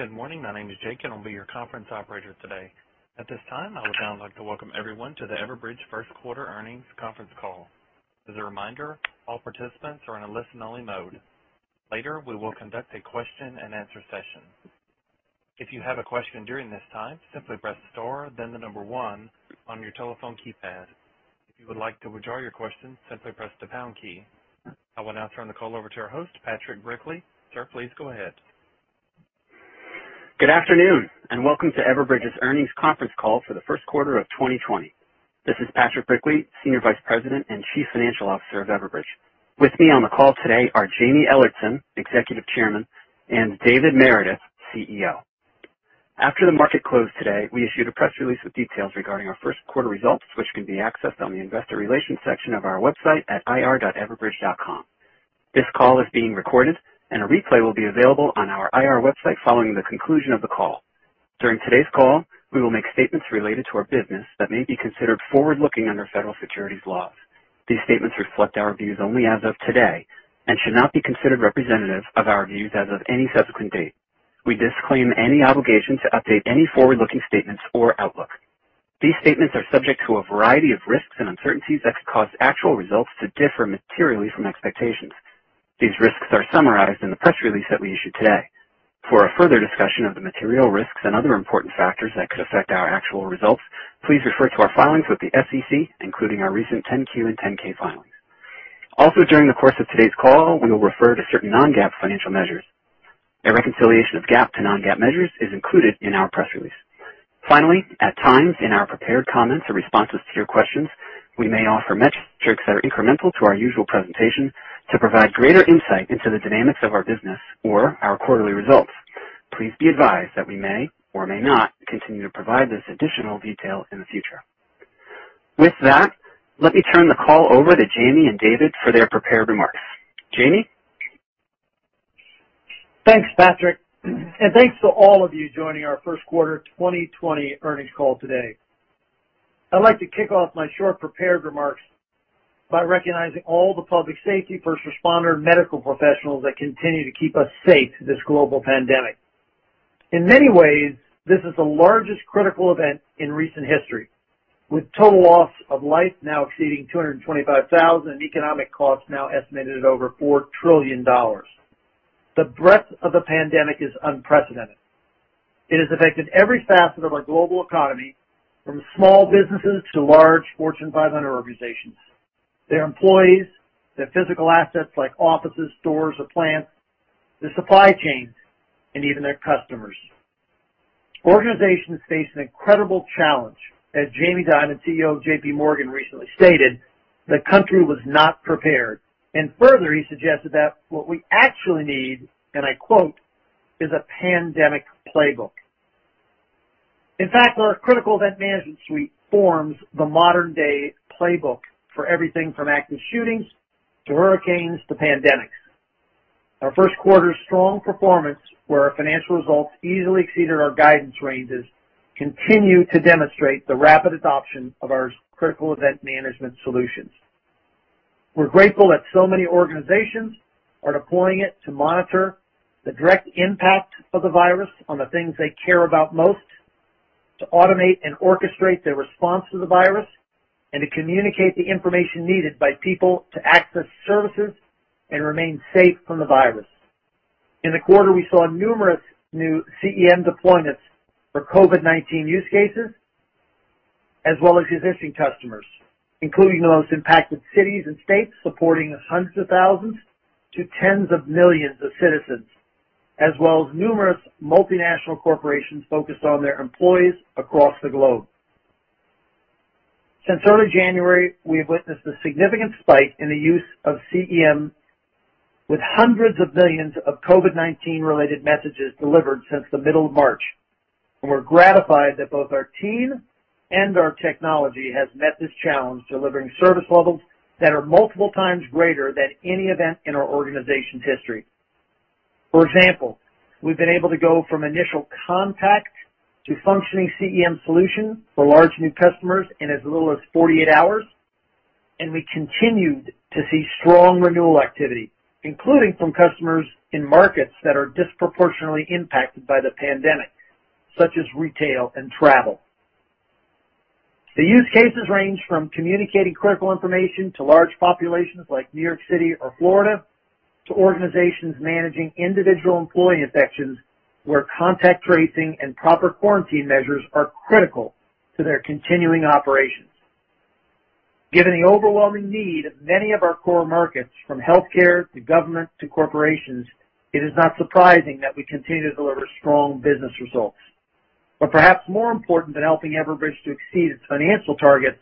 Good morning. My name is Jake, and I'll be your conference operator today. At this time, I would now like to welcome everyone to the Everbridge First Quarter Earnings Conference Call. As a reminder, all participants are in a listen-only mode. Later, we will conduct a question and answer session. If you have a question during this time, simply press star, then the number one on your telephone keypad. If you would like to withdraw your question, simply press the pound key. I will now turn the call over to our host, Patrick Brickley. Sir, please go ahead. Good afternoon, and welcome to Everbridge's Earnings Conference Call for the First Quarter of 2020. This is Patrick Brickley, Senior Vice President and Chief Financial Officer of Everbridge. With me on the call today are Jaime Ellertson, Executive Chairman, and David Meredith, CEO. After the market closed today, we issued a press release with details regarding our first quarter results, which can be accessed on the investor relations section of our website at ir.everbridge.com. This call is being recorded, and a replay will be available on our IR website following the conclusion of the call. During today's call, we will make statements related to our business that may be considered forward-looking under federal securities laws. These statements reflect our views only as of today and should not be considered representative of our views as of any subsequent date. We disclaim any obligation to update any forward-looking statements or outlook. These statements are subject to a variety of risks and uncertainties that could cause actual results to differ materially from expectations. These risks are summarized in the press release that we issued today. For a further discussion of the material risks and other important factors that could affect our actual results, please refer to our filings with the SEC, including our recent 10-Q and 10-K filings. Also, during the course of today's call, we will refer to certain non-GAAP financial measures. A reconciliation of GAAP to non-GAAP measures is included in our press release. Finally, at times in our prepared comments or responses to your questions, we may offer metrics that are incremental to our usual presentation to provide greater insight into the dynamics of our business or our quarterly results. Please be advised that we may or may not continue to provide this additional detail in the future. With that, let me turn the call over to Jaime and David for their prepared remarks. Jaime? Thanks, Patrick, and thanks to all of you joining our first quarter 2020 earnings call today. I'd like to kick off my short prepared remarks by recognizing all the public safety, first responder, medical professionals that continue to keep us safe this global pandemic. In many ways, this is the largest critical event in recent history, with total loss of life now exceeding 225,000 and economic costs now estimated at over $4 trillion. The breadth of the pandemic is unprecedented. It has affected every facet of our global economy, from small businesses to large Fortune 500 organizations, their employees, their physical assets like offices, stores or plants, their supply chains, and even their customers. Organizations face an incredible challenge. As Jamie Dimon, CEO of JPMorgan recently stated, the country was not prepared. Further, he suggested that what we actually need, and I quote, "Is a pandemic playbook." In fact, our critical event management suite forms the modern-day playbook for everything from active shootings to hurricanes to pandemics. Our first quarter's strong performance, where our financial results easily exceeded our guidance ranges, continue to demonstrate the rapid adoption of our critical event management solutions. We're grateful that so many organizations are deploying it to monitor the direct impact of the virus on the things they care about most, to automate and orchestrate their response to the virus, and to communicate the information needed by people to access services and remain safe from the virus. In the quarter, we saw numerous new CEM deployments for COVID-19 use cases, as well as existing customers, including the most impacted cities and states supporting hundreds of thousands to tens of millions of citizens, as well as numerous multinational corporations focused on their employees across the globe. Since early January, we have witnessed a significant spike in the use of CEM, with hundreds of millions of COVID-19-related messages delivered since the middle of March. We're gratified that both our team and our technology has met this challenge, delivering service levels that are multiple times greater than any event in our organization's history. For example, we've been able to go from initial contact to functioning CEM solution for large new customers in as little as 48 hours, and we continued to see strong renewal activity, including from customers in markets that are disproportionately impacted by the pandemic, such as retail and travel. The use cases range from communicating critical information to large populations like New York City or Florida, to organizations managing individual employee infections where contact tracing and proper quarantine measures are critical to their continuing operations. Given the overwhelming need of many of our core markets, from healthcare to government to corporations, it is not surprising that we continue to deliver strong business results. Perhaps more important than helping Everbridge to exceed its financial targets,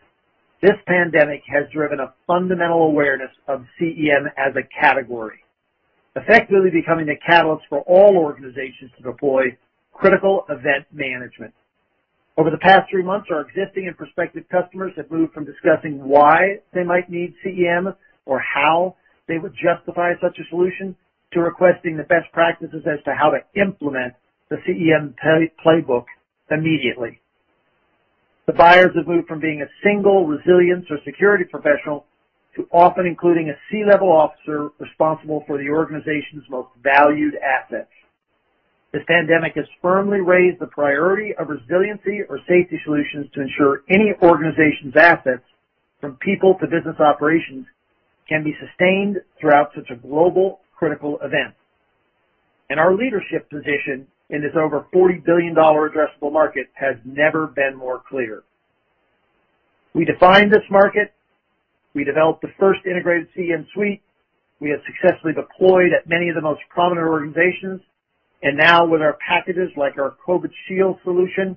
this pandemic has driven a fundamental awareness of CEM as a category, effectively becoming a catalyst for all organizations to deploy critical event management. Over the past three months, our existing and prospective customers have moved from discussing why they might need CEM or how they would justify such a solution to requesting the best practices as to how to implement the CEM playbook immediately. The buyers have moved from being a single resilience or security professional to often including a C-level officer responsible for the organization's most valued assets. This pandemic has firmly raised the priority of resiliency or safety solutions to ensure any organization's assets, from people to business operations, can be sustained throughout such a global critical event. Our leadership position in this over $40 billion addressable market has never been more clear. We defined this market. We developed the first integrated CEM suite. We have successfully deployed at many of the most prominent organizations. Now with our packages like our COVID Shield solution,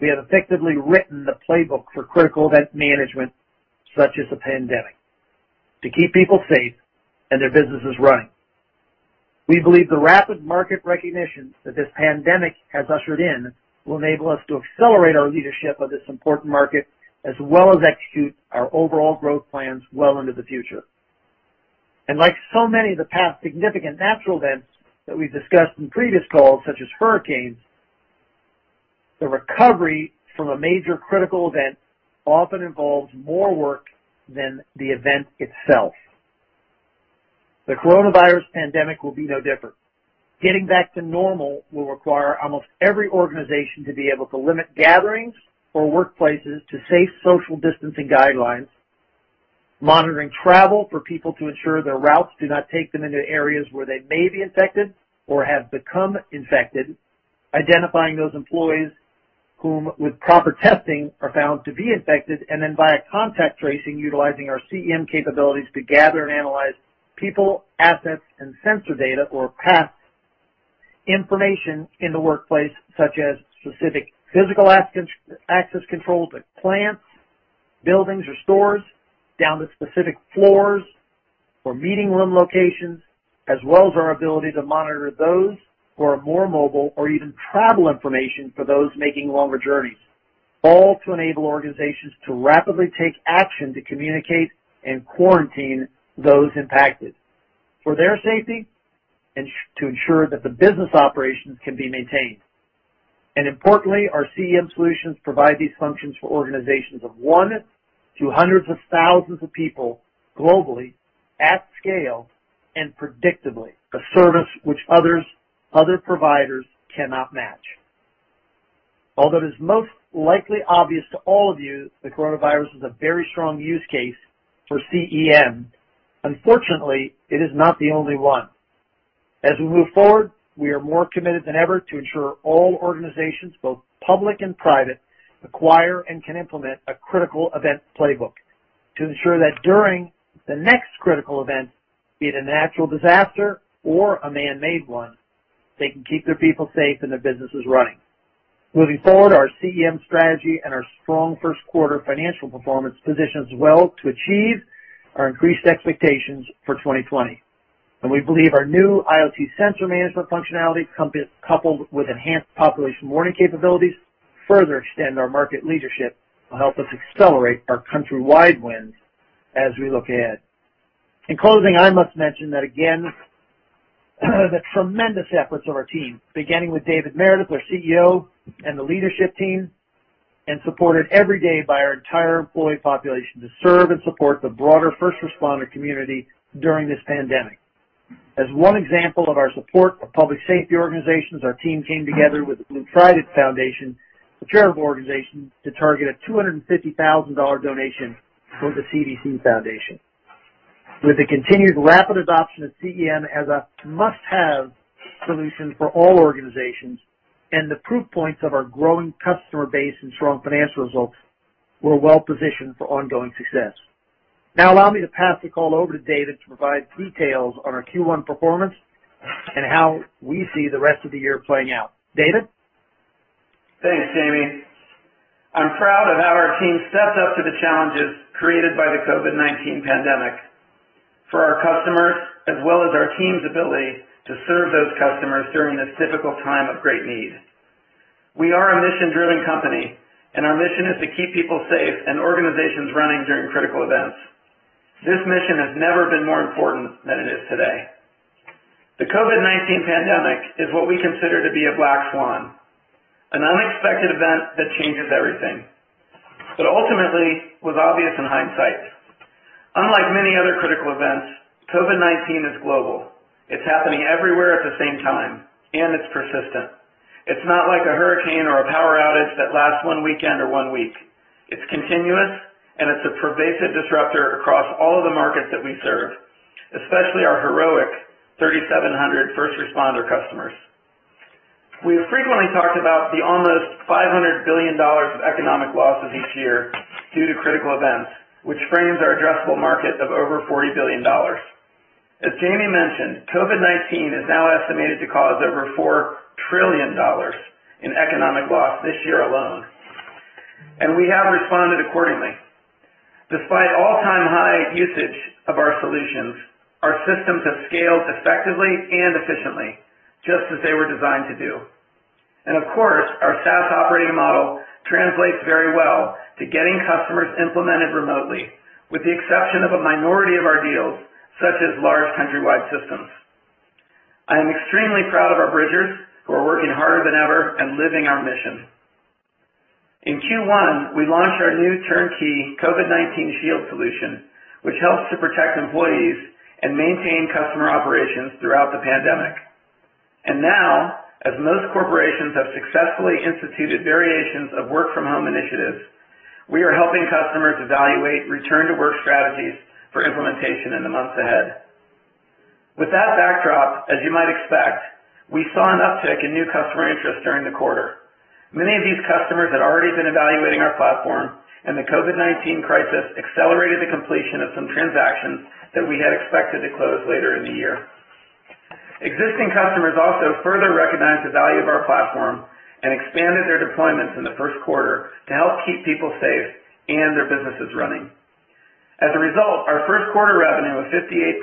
we have effectively written the playbook for critical event management such as a pandemic to keep people safe and their businesses running. We believe the rapid market recognition that this pandemic has ushered in will enable us to accelerate our leadership of this important market, as well as execute our overall growth plans well into the future. Like so many of the past significant natural events that we've discussed in previous calls, such as hurricanes, the recovery from a major critical event often involves more work than the event itself. The coronavirus pandemic will be no different. Getting back to normal will require almost every organization to be able to limit gatherings or workplaces to safe social distancing guidelines, monitoring travel for people to ensure their routes do not take them into areas where they may be infected or have become infected, Identifying those employees whom, with proper testing, are found to be infected, and then via contact tracing, utilizing our CEM capabilities to gather and analyze people, assets, and sensor data or past information in the workplace, such as specific physical access controls at plants, buildings, or stores, down to specific floors Or meeting room locations, as well as our ability to monitor those who are more mobile or even travel information for those making longer journeys, all to enable organizations to rapidly take action to communicate and quarantine those impacted for their safety and to ensure that the business operations can be maintained. Importantly, our CEM solutions provide these functions for organizations of one to hundreds of thousands of people globally at scale and predictably, a service which other providers cannot match. Although it is most likely obvious to all of you, the coronavirus is a very strong use case for CEM. Unfortunately, it is not the only one. As we move forward, we are more committed than ever to ensure all organizations, both public and private, acquire and can implement a critical event playbook to ensure that during the next critical event, be it a natural disaster or a man-made one, they can keep their people safe and their businesses running. Moving forward, our CEM strategy and our strong first quarter financial performance positions well to achieve our increased expectations for 2020. We believe our new IoT sensor management functionality, coupled with enhanced population warning capabilities, further extend our market leadership will help us accelerate our countrywide wins as we look ahead. In closing, I must mention that, again, the tremendous efforts of our team, beginning with David Meredith, our CEO, and the leadership team, and supported every day by our entire employee population to serve and support the broader first responder community during this pandemic. As one example of our support for public safety organizations, our team came together with the Blue Trident Foundation, a charitable organization, to target a $250,000 donation from the CDC Foundation. With the continued rapid adoption of CEM as a must-have solution for all organizations and the proof points of our growing customer base and strong financial results, we're well positioned for ongoing success. Now allow me to pass the call over to David to provide details on our Q1 performance and how we see the rest of the year playing out. David? Thanks, Jaime. I'm proud of how our team stepped up to the challenges created by the COVID-19 pandemic for our customers, as well as our team's ability to serve those customers during this difficult time of great need. We are a mission-driven company. Our mission is to keep people safe and organizations running during critical events. This mission has never been more important than it is today. The COVID-19 pandemic is what we consider to be a black swan, an unexpected event that changes everything. Ultimately was obvious in hindsight. Unlike many other critical events, COVID-19 is global. It's happening everywhere at the same time. It's persistent. It's not like a hurricane or a power outage that lasts one weekend or one week. It's continuous. It's a pervasive disruptor across all of the markets that we serve, especially our heroic 3,700 first responder customers. We have frequently talked about the almost $500 billion of economic losses each year due to critical events, which frames our addressable market of over $40 billion. As Jaime mentioned, COVID-19 is now estimated to cause over $4 trillion in economic loss this year alone. We have responded accordingly. Despite all-time high usage of our solutions, our systems have scaled effectively and efficiently, just as they were designed to do. Of course, our SaaS operating model translates very well to getting customers implemented remotely, with the exception of a minority of our deals, such as large countrywide systems. I am extremely proud of our Bridgers who are working harder than ever and living our mission. In Q1, we launched our new turnkey COVID-19 Shield solution, which helps to protect employees and maintain customer operations throughout the pandemic. Now, as most corporations have successfully instituted variations of work-from-home initiatives, we are helping customers evaluate return-to-work strategies for implementation in the months ahead. With that backdrop, as you might expect, we saw an uptick in new customer interest during the quarter. Many of these customers had already been evaluating our platform, and the COVID-19 crisis accelerated the completion of some transactions that we had expected to close later in the year. Existing customers also further recognized the value of our platform and expanded their deployments in the first quarter to help keep people safe and their businesses running. As a result, our first quarter revenue of $58.9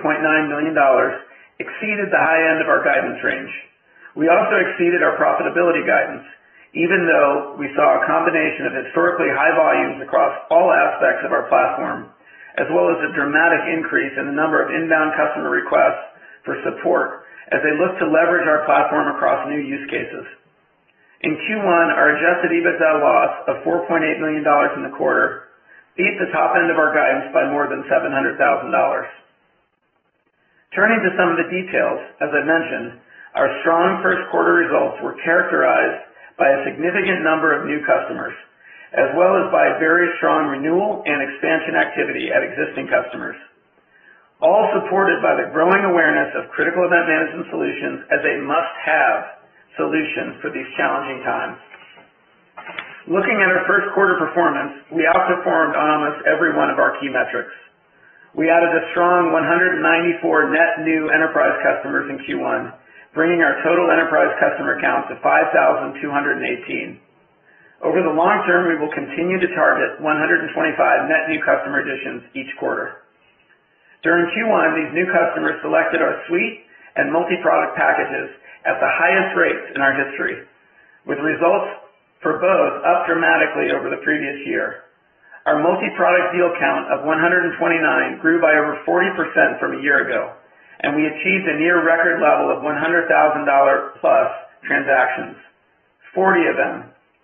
million exceeded the high end of our guidance range. We also exceeded our profitability guidance, even though we saw a combination of historically high volumes across all aspects of our platform, as well as a dramatic increase in the number of inbound customer requests for support as they look to leverage our platform across new use cases. In Q1, our adjusted EBITDA loss of $4.8 million in the quarter beat the top end of our guidance by more than $700,000. Turning to some of the details, as I mentioned, our strong first quarter results were characterized by a significant number of new customers, as well as by very strong renewal and expansion activity at existing customers. All supported by the growing awareness of critical event management solutions as a must-have solution for these challenging times. Looking at our first quarter performance, we outperformed on almost every one of our key metrics. We added a strong 194 net new enterprise customers in Q1, bringing our total enterprise customer count to 5,218. Over the long term, we will continue to target 125 net new customer additions each quarter. During Q1, these new customers selected our suite and multi-product packages at the highest rates in our history, with results for both up dramatically over the previous year. Our multi-product deal count of 129 grew by over 40% from a year ago, and we achieved a near record level of $100,000-plus transactions, 40 of them,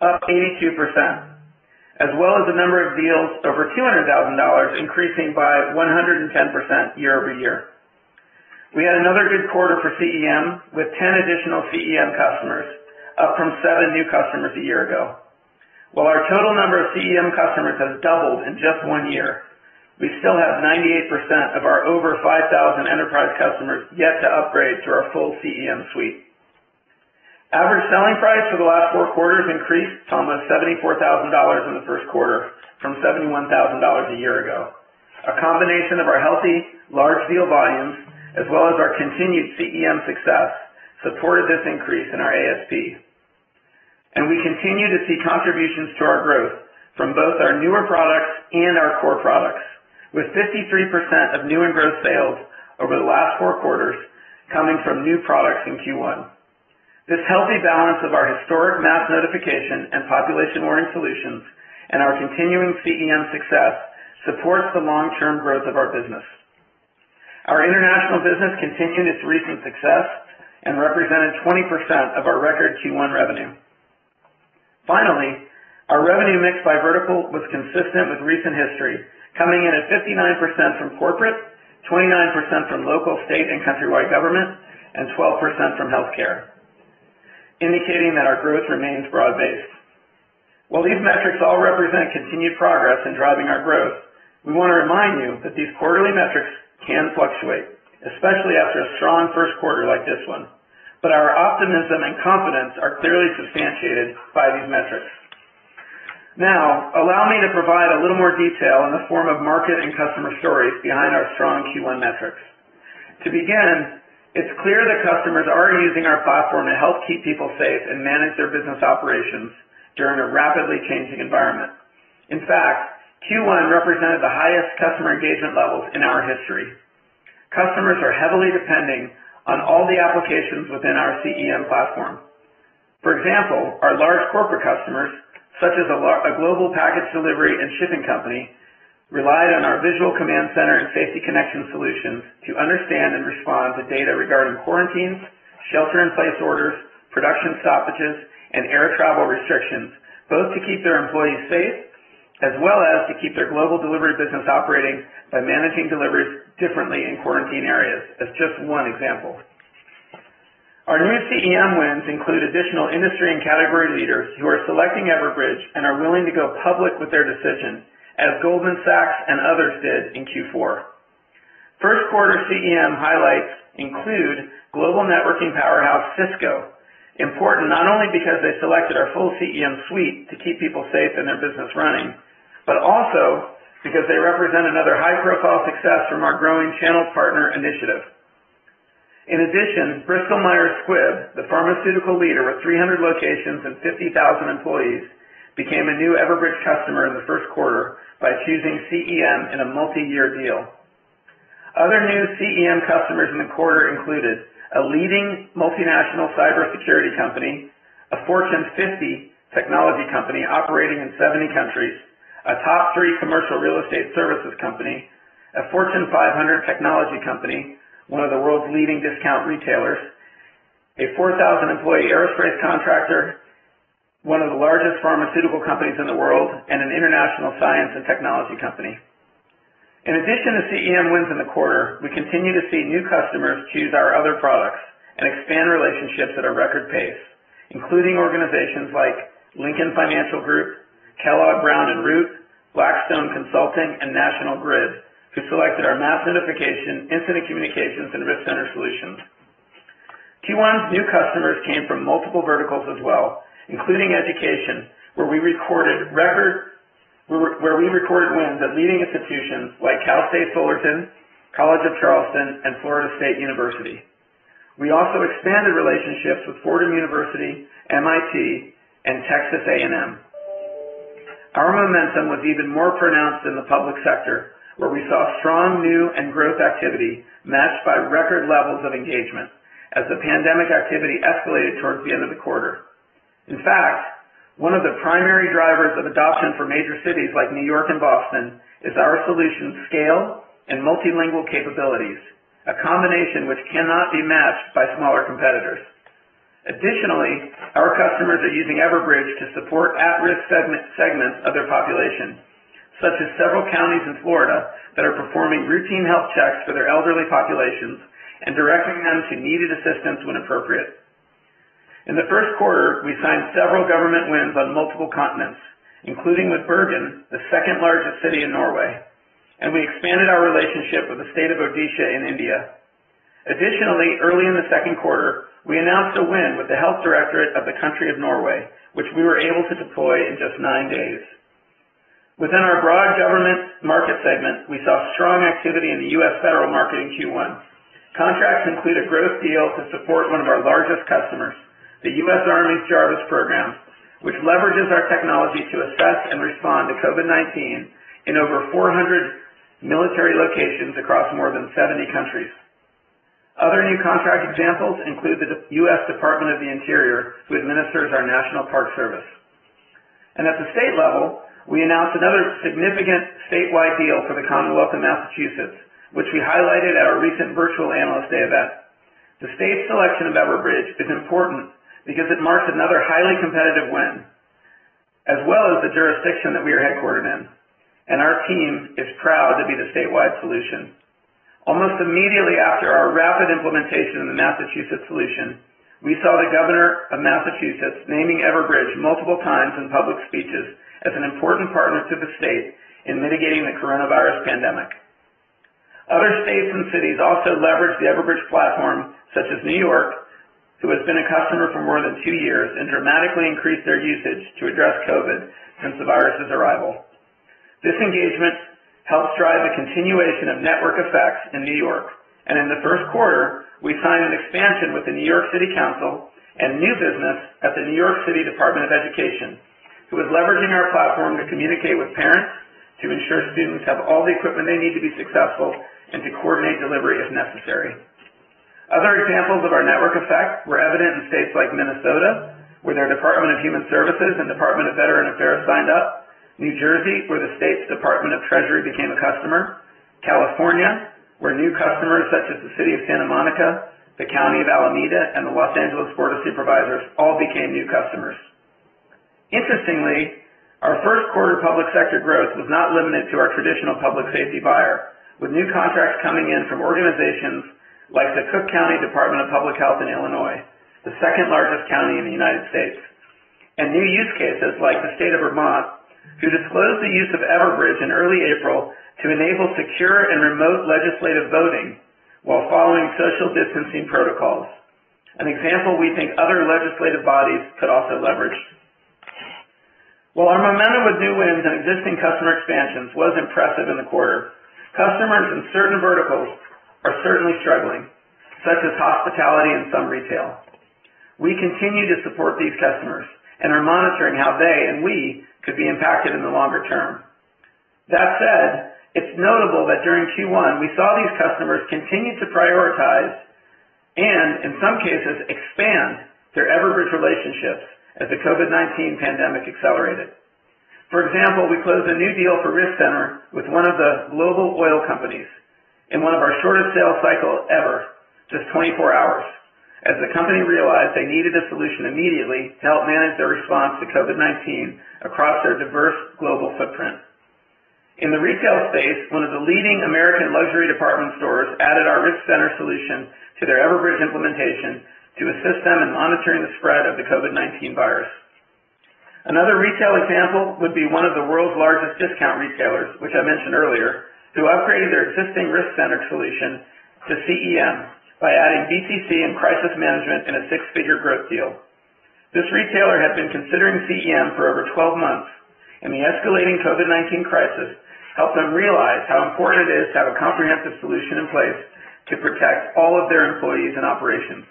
up 82%, as well as the number of deals over $200,000 increasing by 110% year-over-year. We had another good quarter for CEM, with 10 additional CEM customers, up from seven new customers a year ago. While our total number of CEM customers has doubled in just one year, we still have 98% of our over 5,000 enterprise customers yet to upgrade to our full CEM suite. Average selling price for the last four quarters increased to almost $74,000 in the first quarter from $71,000 a year ago. A combination of our healthy large deal volumes, as well as our continued CEM success, supported this increase in our ASP. We continue to see contributions to our growth from both our newer products and our core products, with 53% of new in-growth sales over the last four quarters coming from new products in Q1. This healthy balance of our historic Mass Notification and population warning solutions and our continuing CEM success supports the long-term growth of our business. Our international business continued its recent success and represented 20% of our record Q1 revenue. Finally, our revenue mix by vertical was consistent with recent history, coming in at 59% from corporate, 29% from local, state, and countrywide government, and 12% from healthcare, indicating that our growth remains broad-based. While these metrics all represent continued progress in driving our growth, we want to remind you that these quarterly metrics can fluctuate, especially after a strong first quarter like this one. Our optimism and confidence are clearly substantiated by these metrics. Now, allow me to provide a little more detail in the form of market and customer stories behind our strong Q1 metrics. To begin, it's clear that customers are using our platform to help keep people safe and manage their business operations during a rapidly changing environment. In fact, Q1 represented the highest customer engagement levels in our history. Customers are heavily depending on all the applications within their CEM platform. For example, our large corporate customers, such as a global package delivery and shipping company, relied on our Visual Command Center and Safety Connection solutions to understand and respond to data regarding quarantines, shelter-in-place orders, production stoppages, and air travel restrictions, both to keep their employees safe, as well as to keep their global delivery business operating by managing deliveries differently in quarantine areas. That's just one example. Our new CEM wins include additional industry and category leaders who are selecting Everbridge and are willing to go public with their decision, as Goldman Sachs and others did in Q4. First quarter CEM highlights include global networking powerhouse Cisco, important not only because they selected our full CEM suite to keep people safe and their business running, but also because they represent another high-profile success from our growing channel partner initiative. In addition, Bristol Myers Squibb, the pharmaceutical leader with 300 locations and 50,000 employees, became a new Everbridge customer in the first quarter by choosing CEM in a multi-year deal. Other new CEM customers in the quarter included a leading multinational cybersecurity company. A Fortune 50 technology company operating in 70 countries, a top three commercial real estate services company, a Fortune 500 technology company, one of the world's leading discount retailers, a 4,000-employee aerospace contractor, one of the largest pharmaceutical companies in the world, and an international science and technology company. In addition to CEM wins in the quarter, we continue to see new customers choose our other products and expand relationships at a record pace, including organizations like Lincoln Financial Group, Kellogg Brown & Root, Blackstone Consulting, and National Grid, who selected our Mass Notification, Incident Communications, and Risk Center solutions. Q1's new customers came from multiple verticals as well, including education, where we recorded wins at leading institutions like Cal State Fullerton, College of Charleston, and Florida State University. We also expanded relationships with Fordham University, MIT, and Texas A&M. Our momentum was even more pronounced in the public sector, where we saw strong new and growth activity matched by record levels of engagement as the pandemic activity escalated towards the end of the quarter. In fact, one of the primary drivers of adoption for major cities like New York and Boston is our solution's scale and multilingual capabilities, a combination which cannot be matched by smaller competitors. Additionally, our customers are using Everbridge to support at-risk segments of their population, such as several counties in Florida that are performing routine health checks for their elderly populations and directing them to needed assistance when appropriate. In the first quarter, we signed several government wins on multiple continents, including with Bergen, the second-largest city in Norway, and we expanded our relationship with the state of Odisha in India. Additionally, early in the second quarter, we announced a win with the health directorate of the country of Norway, which we were able to deploy in just nine days. Within our broad government market segment, we saw strong activity in the U.S. federal market in Q1. Contracts include a growth deal to support one of our largest customers, the U.S. Army's JARVISS Program, which leverages our technology to assess and respond to COVID-19 in over 400 military locations across more than 70 countries. Other new contract examples include the U.S. Department of the Interior, who administers our National Park Service. At the state level, we announced another significant statewide deal for the Commonwealth of Massachusetts, which we highlighted at our recent virtual analyst day event. The state's selection of Everbridge is important because it marks another highly competitive win, as well as the jurisdiction that we are headquartered in, and our team is proud to be the statewide solution. Almost immediately after our rapid implementation of the Massachusetts solution, we saw the Governor of Massachusetts naming Everbridge multiple times in public speeches as an important partner to the state in mitigating the coronavirus pandemic. Other states and cities also leveraged the Everbridge platform, such as New York, who has been a customer for more than two years and dramatically increased their usage to address COVID since the virus's arrival. This engagement helps drive the continuation of network effects in New York. In the first quarter, we signed an expansion with the New York City Council and new business at the New York City Department of Education, who is leveraging our platform to communicate with parents to ensure students have all the equipment they need to be successful and to coordinate delivery if necessary. Other examples of our network effect were evident in states like Minnesota, where their Department of Human Services and Department of Veterans Affairs signed up, New Jersey, where the state's Department of the Treasury became a customer, California, where new customers such as the City of Santa Monica, the County of Alameda, and the Los Angeles County Board of Supervisors all became new customers. Interestingly, our first quarter public sector growth was not limited to our traditional public safety buyer, with new contracts coming in from organizations like the Cook County Department of Public Health in Illinois, the second-largest county in the United States, and new use cases like the State of Vermont, who disclosed the use of Everbridge in early April to enable secure and remote legislative voting while following social distancing protocols, an example we think other legislative bodies could also leverage. While our momentum with new wins and existing customer expansions was impressive in the quarter, customers in certain verticals are certainly struggling, such as hospitality and some retail. We continue to support these customers and are monitoring how they and we could be impacted in the longer term. That said, it's notable that during Q1, we saw these customers continue to prioritize, and in some cases expand, their Everbridge relationships as the COVID-19 pandemic accelerated. For example, we closed a new deal for Risk Center with one of the global oil companies in one of our shortest sales cycles ever, just 24 hours, as the company realized they needed a solution immediately to help manage their response to COVID-19 across their diverse global footprint. In the retail space, one of the leading American luxury department stores added our Risk Center solution to their Everbridge implementation to assist them in monitoring the spread of the COVID-19 virus. Another retail example would be one of the world's largest discount retailers, which I mentioned earlier, who upgraded their existing Risk Center solution to CEM by adding VCC and Crisis Management in a six-figure growth deal. This retailer had been considering CEM for over 12 months, and the escalating COVID-19 crisis helped them realize how important it is to have a comprehensive solution in place to protect all of their employees and operations.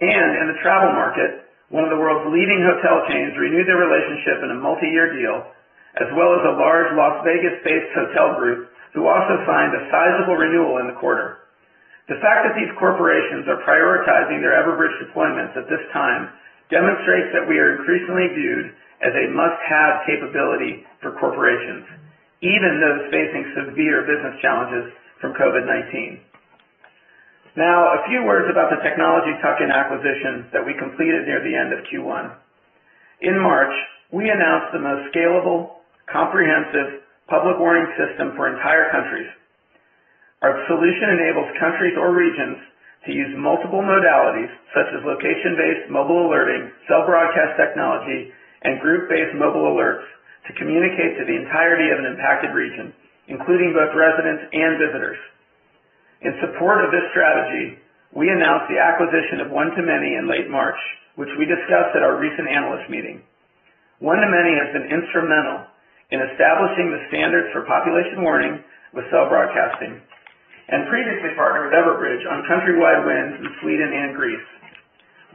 In the travel market, one of the world's leading hotel chains renewed their relationship in a multi-year deal, as well as a large Las Vegas-based hotel group who also signed a sizable renewal in the quarter. The fact that these corporations are prioritizing their Everbridge deployments at this time demonstrates that we are increasingly viewed as a must-have capability for corporations, even those facing severe business challenges from COVID-19. Now, a few words about the technology tuck-in acquisition that we completed near the end of Q1. In March, we announced the most scalable, comprehensive public warning system for entire countries. Our solution enables countries or regions to use multiple modalities, such as location-based mobile alerting, cell broadcast technology, and group-based mobile alerts, to communicate to the entirety of an impacted region, including both residents and visitors. In support of this strategy, we announced the acquisition of One2Many in late March, which we discussed at our recent analyst meeting. One2Many has been instrumental in establishing the standards for population warning with cell broadcasting, and previously partnered with Everbridge on countrywide wins in Sweden and Greece.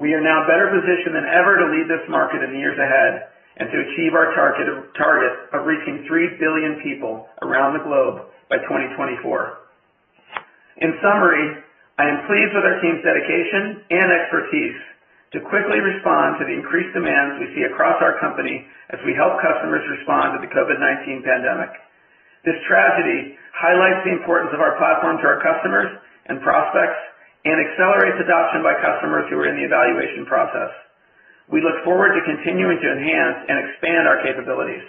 We are now better positioned than ever to lead this market in the years ahead and to achieve our target of reaching 3 billion people around the globe by 2024. In summary, I am pleased with our team's dedication and expertise to quickly respond to the increased demands we see across our company as we help customers respond to the COVID-19 pandemic. This tragedy highlights the importance of our platform to our customers and prospects and accelerates adoption by customers who are in the evaluation process. We look forward to continuing to enhance and expand our capabilities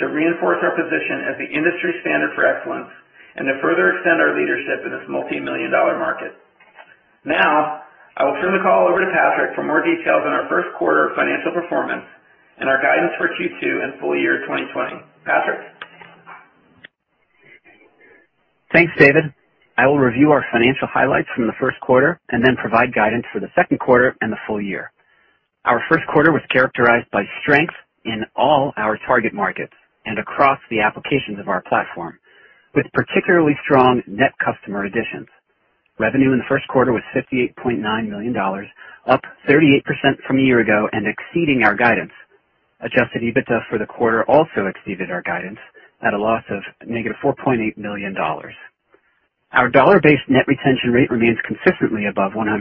to reinforce our position as the industry standard for excellence and to further extend our leadership in this multimillion-dollar market. Now, I will turn the call over to Patrick for more details on our first quarter financial performance and our guidance for Q2 and full year 2020. Patrick. Thanks, David. I will review our financial highlights from the first quarter and then provide guidance for the second quarter and the full year. Our first quarter was characterized by strength in all our target markets and across the applications of our platform, with particularly strong net customer additions. Revenue in the first quarter was $58.9 million, up 38% from a year ago, exceeding our guidance. Adjusted EBITDA for the quarter also exceeded our guidance at a loss of negative $4.8 million. Our dollar-based net retention rate remains consistently above 110%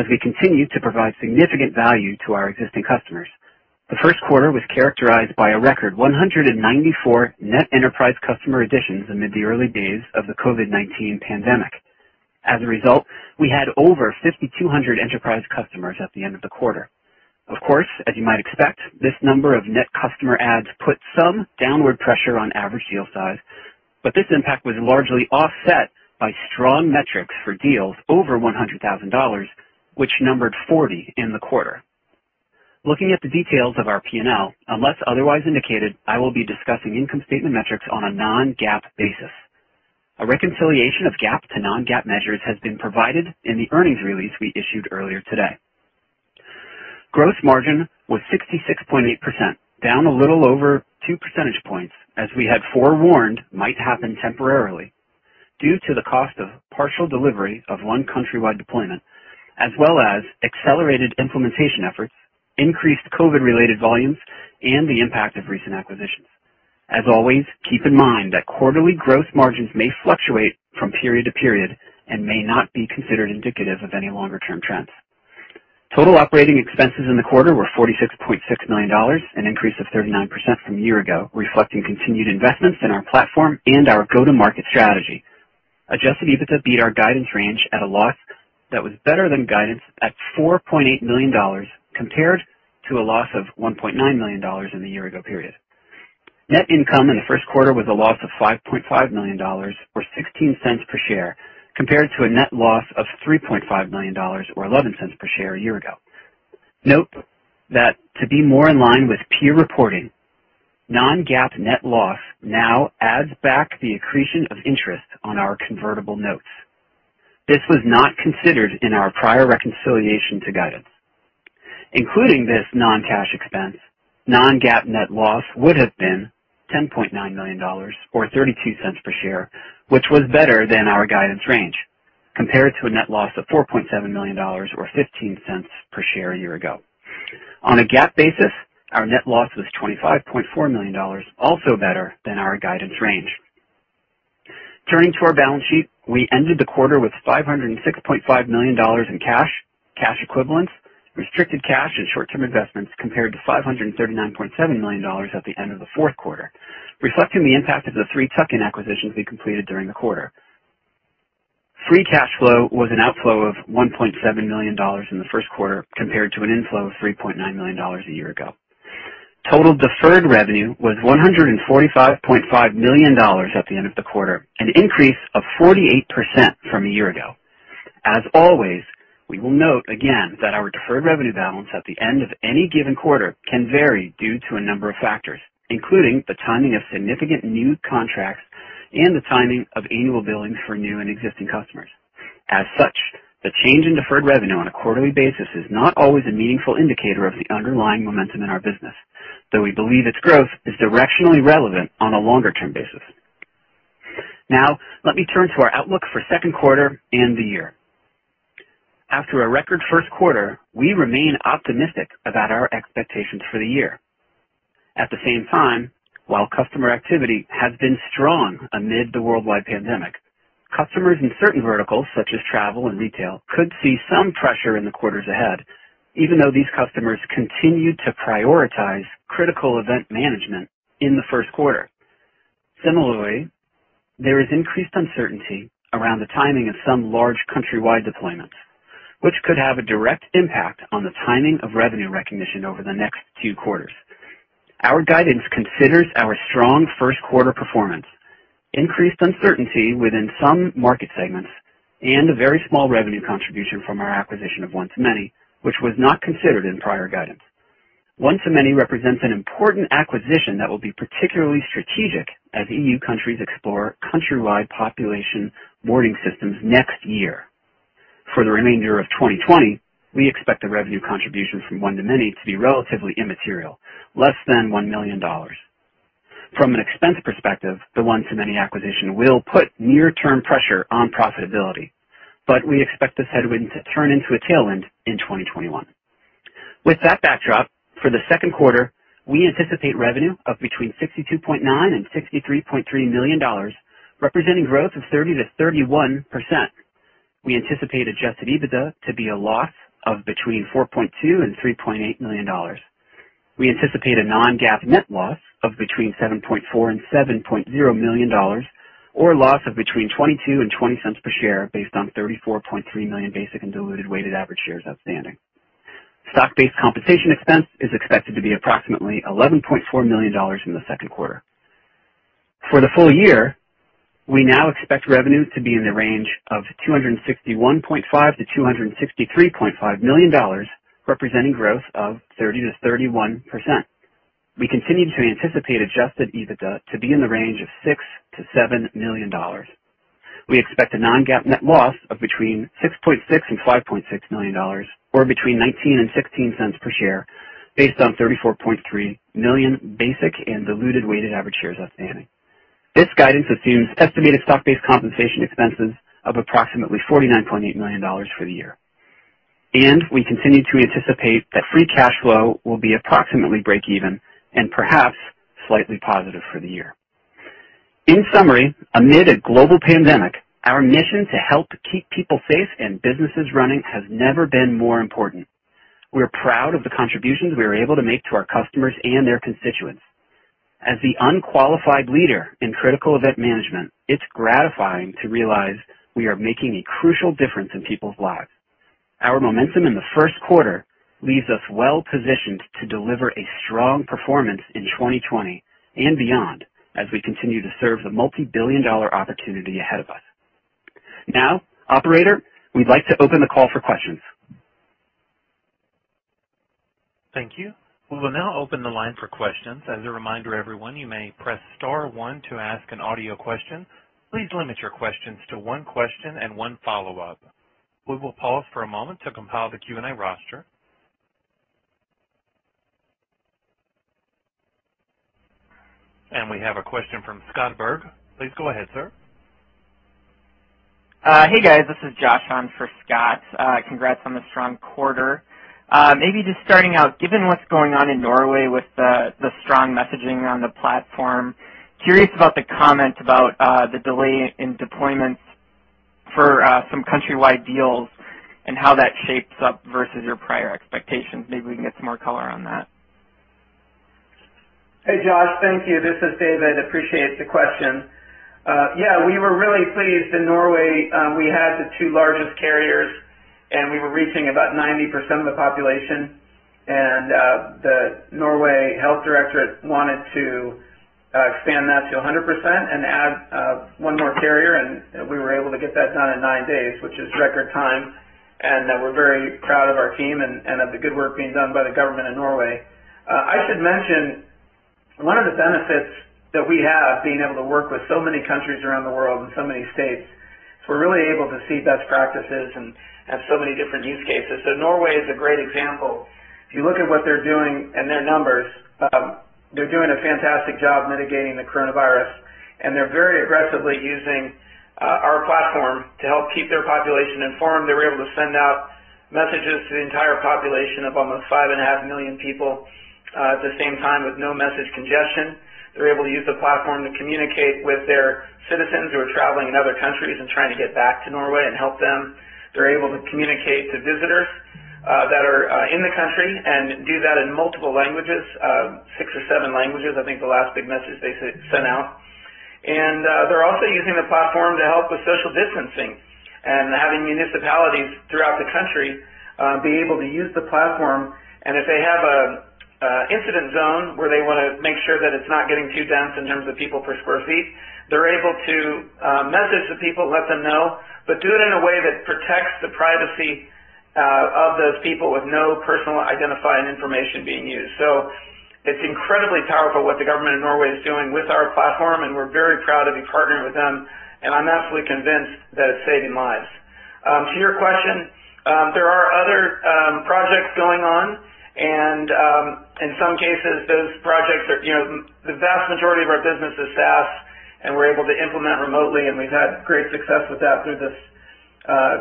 as we continue to provide significant value to our existing customers. The first quarter was characterized by a record 194 net enterprise customer additions amid the early days of the COVID-19 pandemic. As a result, we had over 5,200 enterprise customers at the end of the quarter. As you might expect, this number of net customer adds put some downward pressure on average deal size. This impact was largely offset by strong metrics for deals over $100,000, which numbered 40 in the quarter. Looking at the details of our P&L, unless otherwise indicated, I will be discussing income statement metrics on a non-GAAP basis. A reconciliation of GAAP to non-GAAP measures has been provided in the earnings release we issued earlier today. Gross margin was 66.8%, down a little over two percentage points, as we had forewarned might happen temporarily due to the cost of partial delivery of one countrywide deployment, as well as accelerated implementation efforts, increased COVID-related volumes, and the impact of recent acquisitions. As always, keep in mind that quarterly gross margins may fluctuate from period to period and may not be considered indicative of any longer-term trends. Total operating expenses in the quarter were $46.6 million, an increase of 39% from a year ago, reflecting continued investments in our platform and our go-to-market strategy. Adjusted EBITDA beat our guidance range at a loss that was better than guidance at $4.8 million compared to a loss of $1.9 million in the year-ago period. Net income in the first quarter was a loss of $5.5 million, or $0.16 per share, compared to a net loss of $3.5 million, or $0.11 per share a year ago. Note that to be more in line with peer reporting, non-GAAP net loss now adds back the accretion of interest on our convertible notes. This was not considered in our prior reconciliation to guidance. Including this non-cash expense, non-GAAP net loss would have been $10.9 million, or $0.32 per share, which was better than our guidance range, compared to a net loss of $4.7 million, or $0.15 per share a year ago. On a GAAP basis, our net loss was $25.4 million, also better than our guidance range. Turning to our balance sheet, we ended the quarter with $506.5 million in cash equivalents, restricted cash, and short-term investments compared to $539.7 million at the end of the fourth quarter, reflecting the impact of the three tuck-in acquisitions we completed during the quarter. Free cash flow was an outflow of $1.7 million in the first quarter, compared to an inflow of $3.9 million a year ago. Total deferred revenue was $145.5 million at the end of the quarter, an increase of 48% from a year ago. As always, we will note again that our deferred revenue balance at the end of any given quarter can vary due to a number of factors, including the timing of significant new contracts and the timing of annual billings for new and existing customers. As such, the change in deferred revenue on a quarterly basis is not always a meaningful indicator of the underlying momentum in our business, though we believe its growth is directionally relevant on a longer-term basis. Now, let me turn to our outlook for second quarter and the year. After a record first quarter, we remain optimistic about our expectations for the year. At the same time, while customer activity has been strong amid the worldwide pandemic, customers in certain verticals, such as travel and retail, could see some pressure in the quarters ahead, even though these customers continued to prioritize critical event management in the first quarter. Similarly, there is increased uncertainty around the timing of some large countrywide deployments, which could have a direct impact on the timing of revenue recognition over the next few quarters. Our guidance considers our strong first quarter performance, increased uncertainty within some market segments, and a very small revenue contribution from our acquisition of One2Many, which was not considered in prior guidance. One2Many represents an important acquisition that will be particularly strategic as EU countries explore countrywide population warning systems next year. For the remainder of 2020, we expect the revenue contribution from One2Many to be relatively immaterial, less than $1 million. From an expense perspective, the One2Many acquisition will put near-term pressure on profitability, but we expect this headwind to turn into a tailwind in 2021. With that backdrop, for the second quarter, we anticipate revenue of between $62.9 million and $63.3 million, representing growth of 30%-31%. We anticipate adjusted EBITDA to be a loss of between $4.2 million and $3.8 million. We anticipate a non-GAAP net loss of between $7.4 million and $7.0 million or a loss of between $0.22 and $0.20 per share based on 34.3 million basic and diluted weighted average shares outstanding. Stock-based compensation expense is expected to be approximately $11.4 million in the second quarter. For the full year, we now expect revenue to be in the range of $261.5 million-$263.5 million, representing growth of 30%-31%. We continue to anticipate adjusted EBITDA to be in the range of $6 million-$7 million. We expect a non-GAAP net loss of between $6.6 million and $5.6 million or between $0.19 and $0.16 per share based on 34.3 million basic and diluted weighted average shares outstanding. This guidance assumes estimated stock-based compensation expenses of approximately $49.8 million for the year. We continue to anticipate that free cash flow will be approximately break even and perhaps slightly positive for the year. In summary, amid a global pandemic, our mission to help keep people safe and businesses running has never been more important. We're proud of the contributions we are able to make to our customers and their constituents. As the unqualified leader in critical event management, it's gratifying to realize we are making a crucial difference in people's lives. Our momentum in the first quarter leaves us well-positioned to deliver a strong performance in 2020 and beyond as we continue to serve the multibillion-dollar opportunity ahead of us. Now, operator, we'd like to open the call for questions. Thank you. We will now open the line for questions. As a reminder, everyone, you may press star one to ask an audio question. Please limit your questions to one question and one follow-up. We will pause for a moment to compile the Q&A roster. We have a question from Scott Berg. Please go ahead, sir. Hey, guys. This is Josh on for Scott. Congrats on the strong quarter. Maybe just starting out, given what's going on in Norway with the strong messaging on the platform, curious about the comment about the delay in deployments for some countrywide deals and how that shapes up versus your prior expectations. Maybe we can get some more color on that. Hey, Josh. Thank you. This is David. Appreciate the question. We were really pleased in Norway. We had the two largest carriers, and we were reaching about 90% of the population. The Norway Health Directorate wanted to expand that to 100% and add one more carrier, and we were able to get that done in nine days, which is record time, and we're very proud of our team and of the good work being done by the government in Norway. I should mention, one of the benefits that we have, being able to work with so many countries around the world and so many states, is we're really able to see best practices and so many different use cases. Norway is a great example. If you look at what they're doing and their numbers, they're doing a fantastic job mitigating the coronavirus, and they're very aggressively using our platform to help keep their population informed. They were able to send out messages to the entire population of almost 5.5 million people at the same time with no message congestion. They were able to use the platform to communicate with their citizens who are traveling in other countries and trying to get back to Norway and help them. They're able to communicate to visitors that are in the country and do that in multiple languages, six or seven languages, I think the last big message they sent out. They're also using the platform to help with social distancing and having municipalities throughout the country be able to use the platform. If they have an incident zone where they want to make sure that it's not getting too dense in terms of people per square feet, they're able to message the people, let them know, but do it in a way that protects the privacy of those people with no personal identifying information being used. It's incredibly powerful what the government of Norway is doing with our platform, and we're very proud to be partnering with them, and I'm absolutely convinced that it's saving lives. To your question, there are other projects going on. And in some cases, the vast majority of our business is SaaS, and we're able to implement remotely, and we've had great success with that through this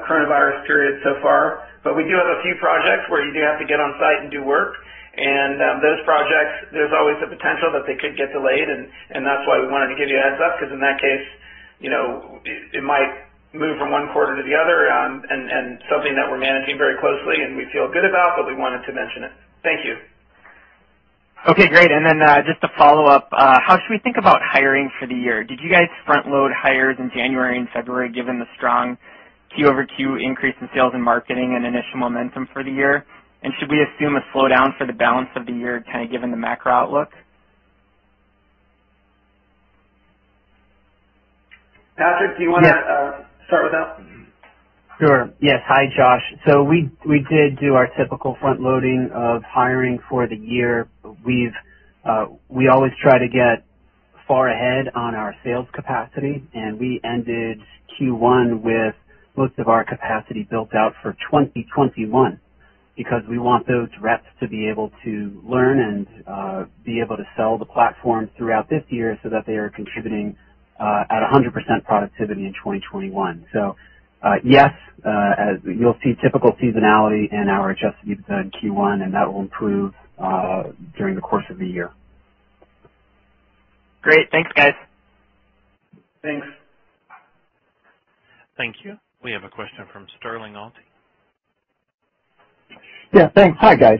coronavirus period so far. We do have a few projects where you do have to get on site and do work. Those projects, there's always the potential that they could get delayed, and that's why we wanted to give you a heads-up, because in that case, it might move from one quarter to the other. Something that we're managing very closely, and we feel good about, but we wanted to mention it. Thank you. Okay, great. Just to follow up, how should we think about hiring for the year? Did you guys front-load hires in January and February, given the strong quarter-over-quarter increase in sales and marketing and initial momentum for the year? Should we assume a slowdown for the balance of the year, given the macro outlook? Patrick, do you want to. Yes Start with that one? Sure. Yes. Hi, Josh. We did do our typical front-loading of hiring for the year. We always try to get far ahead on our sales capacity, and we ended Q1 with most of our capacity built out for 2021, because we want those reps to be able to learn and be able to sell the platform throughout this year so that they are contributing at 100% productivity in 2021. So yes, you'll see typical seasonality in our adjusted EPS in Q1, and that will improve during the course of the year. Great. Thanks, guys. Thanks. Thank you. We have a question from Sterling Auty. Yeah, thanks. Hi, guys.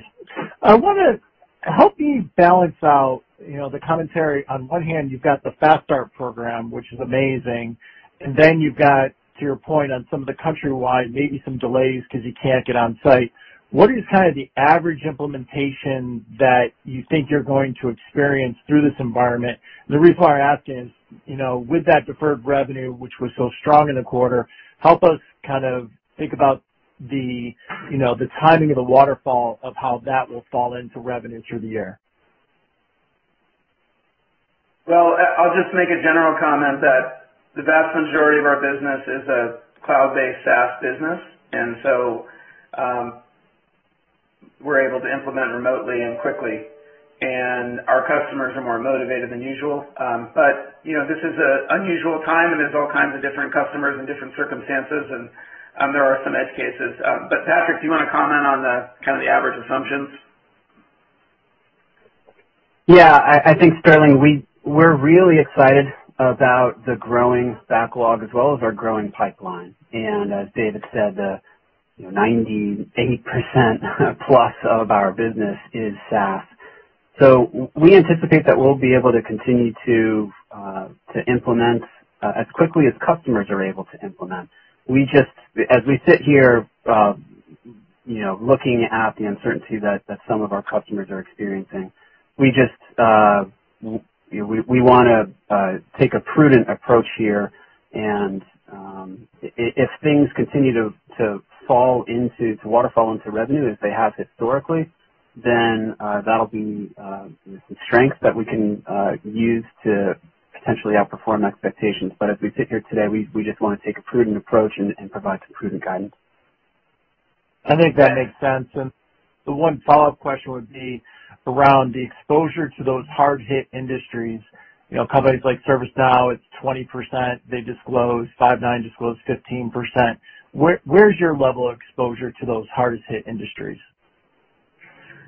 Help me balance out the commentary. On one hand, you've got the Fast Start program, which is amazing, and then you've got, to your point on some of the country-wide, maybe some delays because you can't get on-site. What is the average implementation that you think you're going to experience through this environment? The reason why I'm asking is, with that deferred revenue, which was so strong in the quarter, help us think about the timing of the waterfall of how that will fall into revenue through the year. Well, I'll just make a general comment that the vast majority of our business is a cloud-based SaaS business. We're able to implement remotely and quickly. Our customers are more motivated than usual. This is an unusual time, and there's all kinds of different customers and different circumstances, and there are some edge cases. Patrick, do you want to comment on the average assumptions? Yeah. I think, Sterling, we're really excited about the growing backlog as well as our growing pipeline. As David said, 98% plus of our business is SaaS. We anticipate that we'll be able to continue to implement as quickly as customers are able to implement. As we sit here, looking at the uncertainty that some of our customers are experiencing, we want to take a prudent approach here. If things continue to waterfall into revenue as they have historically, then that'll be a strength that we can use to potentially outperform expectations. As we sit here today, we just want to take a prudent approach and provide some prudent guidance. I think that makes sense. The one follow-up question would be around the exposure to those hard-hit industries. Companies like ServiceNow, it's 20%, they disclosed. Five9 disclosed 15%. Where's your level of exposure to those hardest hit industries?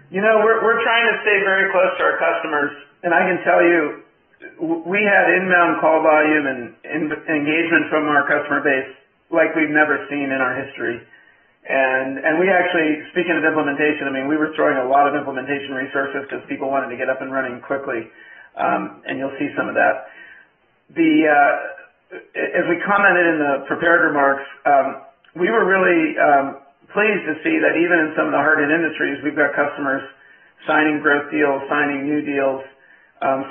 We're trying to stay very close to our customers. I can tell you, we had inbound call volume and engagement from our customer base like we've never seen in our history. We actually, speaking of implementation, we were throwing a lot of implementation resources because people wanted to get up and running quickly. You'll see some of that. As we commented in the prepared remarks, we were really pleased to see that even in some of the hard-hit industries, we've got customers signing growth deals, signing new deals,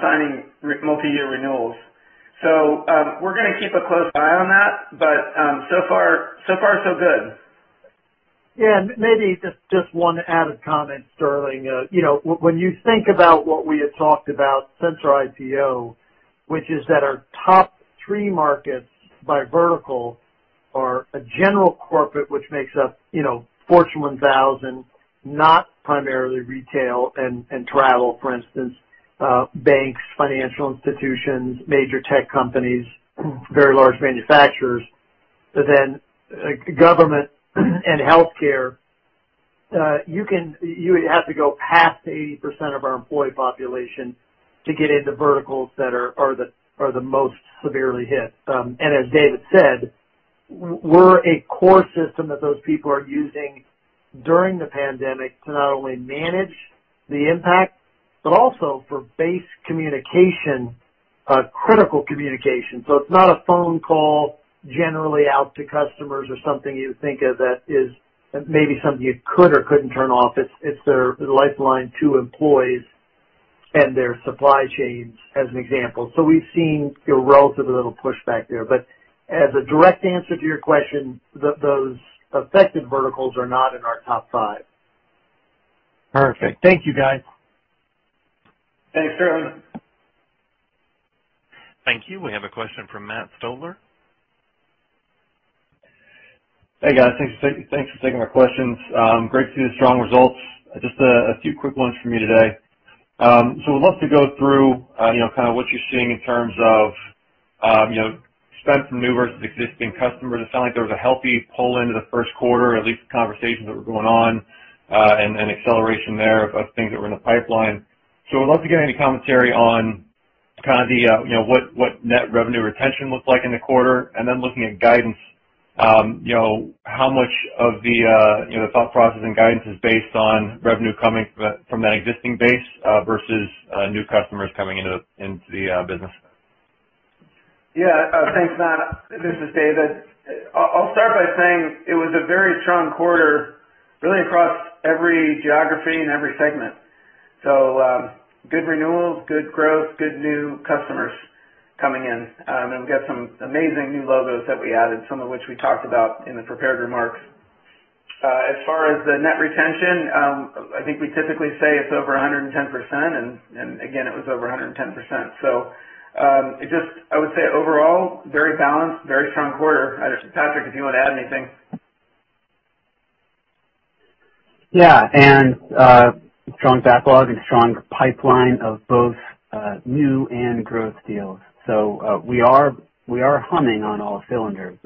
signing multi-year renewals. We're going to keep a close eye on that. But so far, so good. Yeah, maybe just one added comment, Sterling. When you think about what we had talked about since our IPO, which is that our top three markets by vertical are a general corporate, which makes up Fortune 1000, not primarily retail and travel, for instance, banks, financial institutions, major tech companies, very large manufacturers. Government and healthcare, you would have to go past the 80% of our employee population to get into verticals that are the most severely hit. As David said, we're a core system that those people are using during the pandemic to not only manage the impact, but also for base communication, critical communication. It's not a phone call generally out to customers or something you think of that is maybe something you could or couldn't turn off. It's their lifeline to employees and their supply chains, as an example. We've seen relatively little pushback there. As a direct answer to your question, those affected verticals are not in our top five. Perfect. Thank you, guys. Thanks, Sterling. Thank you. We have a question from Matt Stotler. Hey, guys. Thanks for taking my questions. Great to see the strong results. Just a few quick ones from me today. I'd love to go through what you're seeing in terms of spend from new versus existing customers. It sounded like there was a healthy pull into the first quarter, at least the conversations that were going on, and acceleration there of things that were in the pipeline. I'd love to get any commentary on what net revenue retention looks like in the quarter, and then looking at guidance, how much of the thought process and guidance is based on revenue coming from that existing base versus new customers coming into the business? Thanks, Matt. This is David. I'll start by saying it was a very strong quarter, really across every geography and every segment. Good renewals, good growth, good new customers coming in. We've got some amazing new logos that we added, some of which we talked about in the prepared remarks. As far as the net retention, I think we typically say it's over 110%, and again, it was over 110%. I would say overall, very balanced, very strong quarter. Patrick, if you want to add anything. Yeah. Strong backlog and strong pipeline of both new and growth deals. We are humming on all cylinders.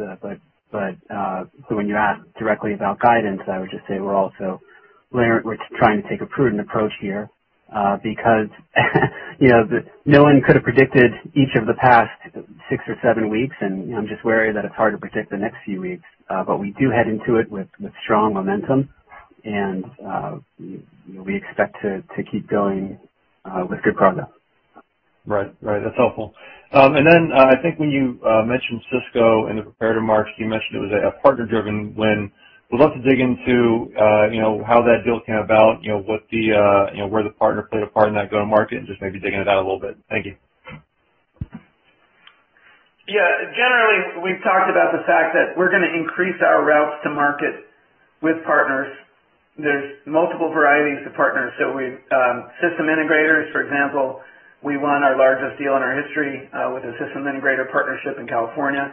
When you ask directly about guidance, I would just say we're also trying to take a prudent approach here. No one could've predicted each of the past six or seven weeks, and I'm just wary that it's hard to predict the next few weeks. We do head into it with strong momentum, and we expect to keep going with good progress. Right. That's helpful. Then, I think when you mentioned Cisco in the prepared remarks, you mentioned it was a partner-driven win. Would love to dig into how that deal came about, where the partner played a part in that go-to-market, and just maybe digging it out a little bit. Thank you. Yeah. Generally, we've talked about the fact that we're going to increase our routes to market with partners. There's multiple varieties of partners. System integrators, for example, we won our largest deal in our history with a system integrator partnership in California.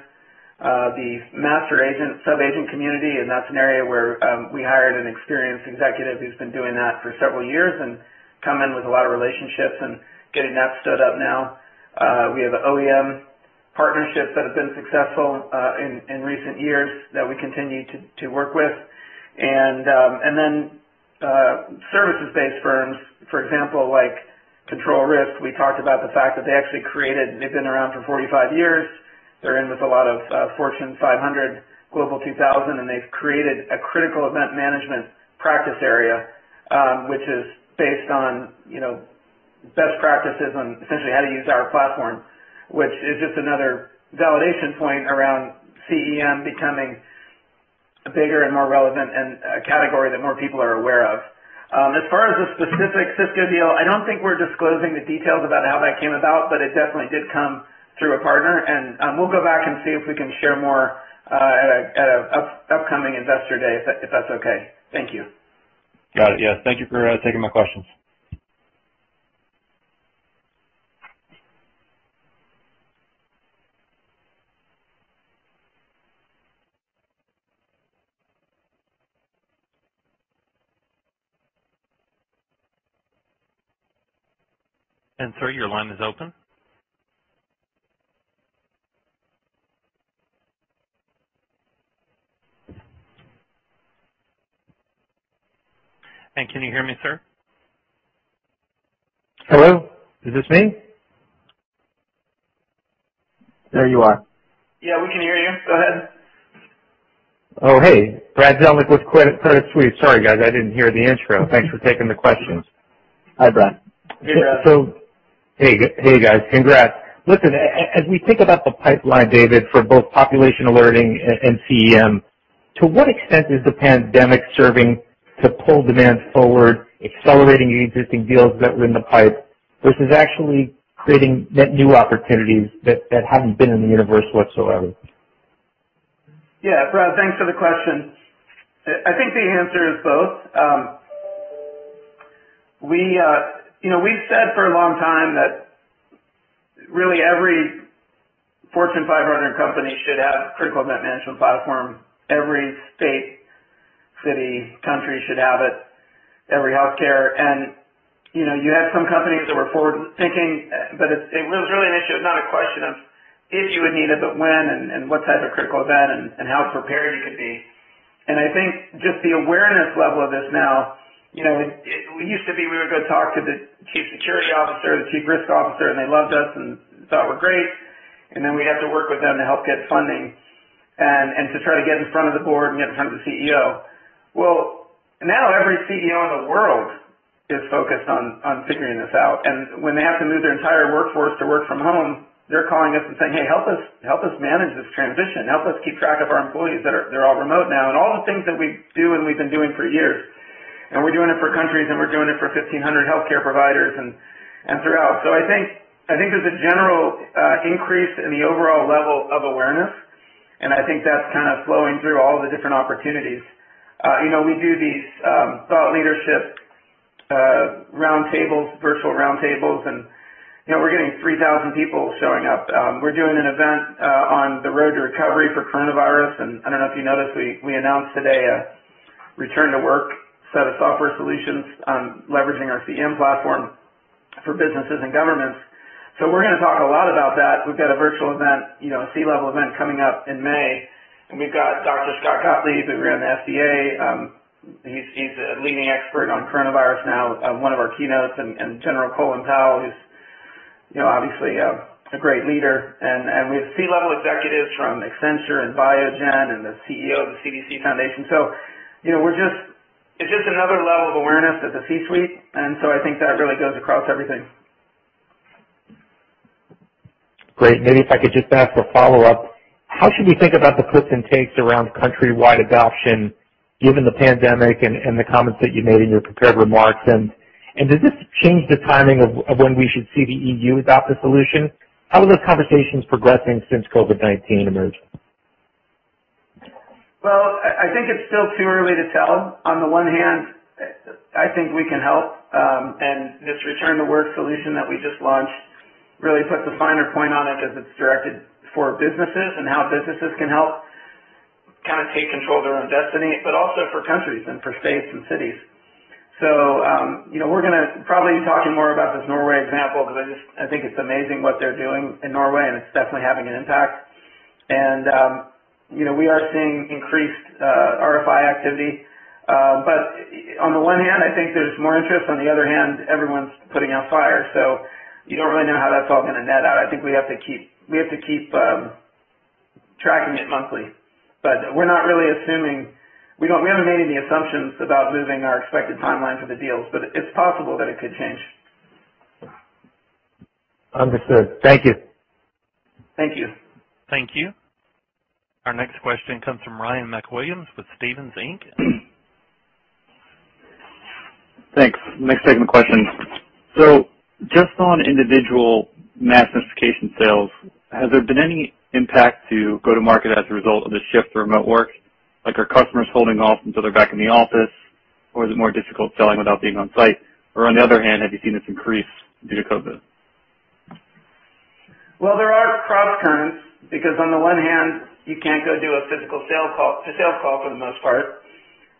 The master agent, sub-agent community, that's an area where we hired an experienced executive who's been doing that for several years and come in with a lot of relationships and getting that stood up now. We have OEM partnerships that have been successful in recent years that we continue to work with. Services-based firms, for example, like Control Risks. We talked about the fact that they've been around for 45 years. They're in with a lot of Fortune 500, Global 2000, and they've created a critical event management practice area, which is based on best practices on essentially how to use our platform, which is just another validation point around CEM becoming bigger and more relevant, and a category that more people are aware of. As far as the specific Cisco deal, I don't think we're disclosing the details about how that came about, but it definitely did come through a partner. We'll go back and see if we can share more at an upcoming investor day, if that's okay. Thank you. Got it. Yeah. Thank you for taking my questions. Sir, your line is open. Can you hear me, sir? Hello? Is this me? There you are. Yeah, we can hear you. Go ahead. Hey. Brad Zelnick with Credit Suisse. Sorry, guys, I didn't hear the intro. Thanks for taking the questions. Hi, Brad. Hey, Brad. Hey, guys. Congrats. As we think about the pipeline, David, for both population alerting and CEM, to what extent is the pandemic serving to pull demand forward, accelerating the existing deals that were in the pipe, versus actually creating net new opportunities that hadn't been in the universe whatsoever? Yeah. Brad, thanks for the question. I think the answer is both. We've said for a long time that really every Fortune 500 company should have a critical event management platform. Every state, city, country should have it, every healthcare. You had some companies that were forward-thinking, but it was really an issue of not a question of if you would need it, but when and what type of critical event and how prepared you could be. I think just the awareness level of this now, it used to be we would go talk to the chief security officer, the chief risk officer, and they loved us and thought we're great, and then we'd have to work with them to help get funding and to try to get in front of the board and get in front of the CEO. Well, now every CEO in the world is focused on figuring this out. When they have to move their entire workforce to work from home, they're calling us and saying, "Hey, help us manage this transition. Help us keep track of our employees that are all remote now," and all the things that we do and we've been doing for years. We're doing it for countries, and we're doing it for 1,500 healthcare providers and throughout. I think there's a general increase in the overall level of awareness, and I think that's kind of flowing through all the different opportunities. We do these thought leadership roundtables, virtual roundtables, and we're getting 3,000 people showing up. We're doing an event on the road to recovery for coronavirus, and I don't know if you noticed, we announced today a return-to-work set of software solutions leveraging our CEM platform for businesses and governments. We're going to talk a lot about that. We've got a virtual event, a C-level event coming up in May, and we've got Dr. Scott Gottlieb, who ran the FDA. He's a leading expert on coronavirus now, one of our keynotes, and General Colin Powell, who's obviously a great leader. We have C-level executives from Accenture and Biogen and the CEO of the CDC Foundation. It's just another level of awareness at the C-suite. I think that really goes across everything. Great. Maybe if I could just ask a follow-up. How should we think about the puts and takes around countrywide adoption, given the pandemic and the comments that you made in your prepared remarks? Does this change the timing of when we should see the EU adopt the solution? How are those conversations progressing since COVID-19 emerged? Well, I think it's still too early to tell. On the one hand, I think we can help. This return-to-work solution that we just launched really puts a finer point on it as it's directed for businesses and how businesses can help take control of their own destiny, but also for countries and for states and cities. We're going to probably be talking more about this Norway example, because I think it's amazing what they're doing in Norway, and it's definitely having an impact. We are seeing increased RFI activity. On the one hand, I think there's more interest. On the other hand, everyone's putting out fire, so you don't really know how that's all going to net out. I think we have to keep tracking it monthly. We haven't made any assumptions about moving our expected timelines of the deals, but it's possible that it could change. Understood. Thank you. Thank you. Thank you. Our next question comes from Ryan MacWilliams with Stephens Inc. Thanks. Next segment question. Just on individual Mass Notification sales, has there been any impact to go to market as a result of the shift to remote work? Are customers holding off until they're back in the office, or is it more difficult selling without being on-site? On the other hand, have you seen this increase due to COVID? Well, there are cross currents, because on the one hand, you can't go do a physical sales call for the most part,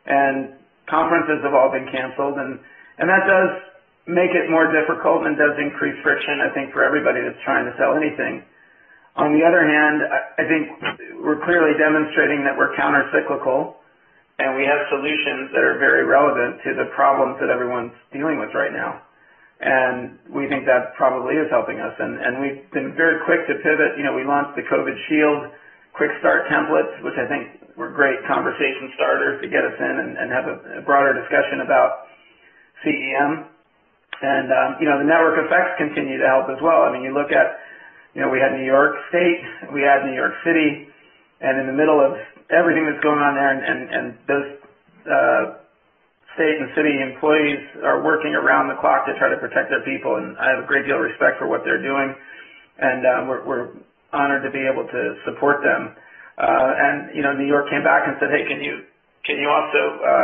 and conferences have all been canceled, and that does make it more difficult and does increase friction, I think, for everybody that's trying to sell anything. On the other hand, I think we're clearly demonstrating that we're countercyclical, and we have solutions that are very relevant to the problems that everyone's dealing with right now. We think that probably is helping us. We've been very quick to pivot. We launched the COVID-19 Shield quick start templates, which I think were great conversation starters to get us in and have a broader discussion about CEM. The network effects continue to help as well. You look at, we had New York State, we had New York City, in the middle of everything that's going on there, and those state and city employees are working around the clock to try to protect their people. I have a great deal of respect for what they're doing, and we're honored to be able to support them. New York came back and said, "Hey, can you also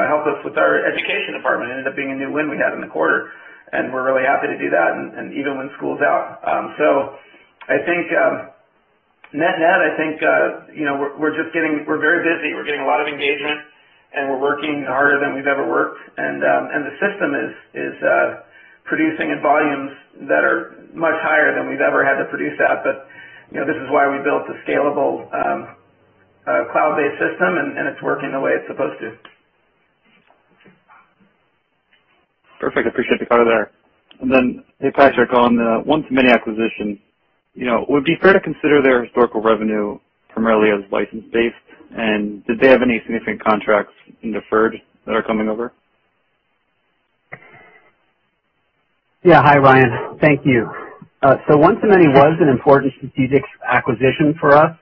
help us with our Education Department?" It ended up being a new win we had in the quarter, and we're really happy to do that, and even when school's out. I think net-net, we're very busy. We're getting a lot of engagement, and we're working harder than we've ever worked. The system is producing in volumes that are much higher than we've ever had to produce at. This is why we built a scalable cloud-based system, and it's working the way it's supposed to. Perfect. Appreciate the color there. Then, hey, Patrick, on the One2Many acquisition, would it be fair to consider their historical revenue primarily as license-based? Did they have any significant contracts in deferred that are coming over? Hi, Ryan. Thank you. One2Many was an important strategic acquisition for us,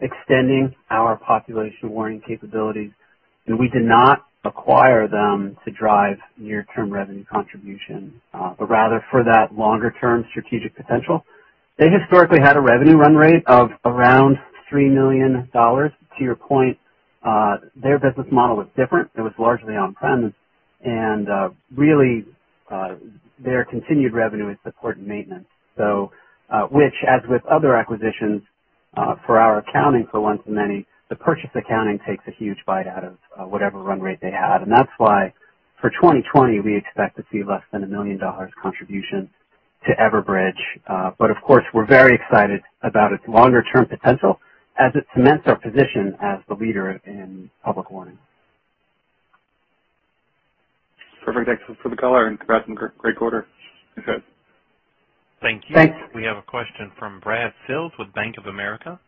extending our population warning capabilities, and we did not acquire them to drive near-term revenue contribution, but rather for that longer-term strategic potential. They historically had a revenue run rate of around $3 million. To your point, their business model was different. It was largely on-premise. Really, their continued revenue is support and maintenance. Which, as with other acquisitions, for our accounting for One2Many, the purchase accounting takes a huge bite out of whatever run rate they had. That's why for 2020, we expect to see less than $1 million contribution to Everbridge. Of course, we're very excited about its longer-term potential as it cements our position as the leader in public warning. Perfect. Thanks for the color and congrats on a great quarter. Take care. Thank you. Thanks. We have a question from Brad Sills with Bank of America.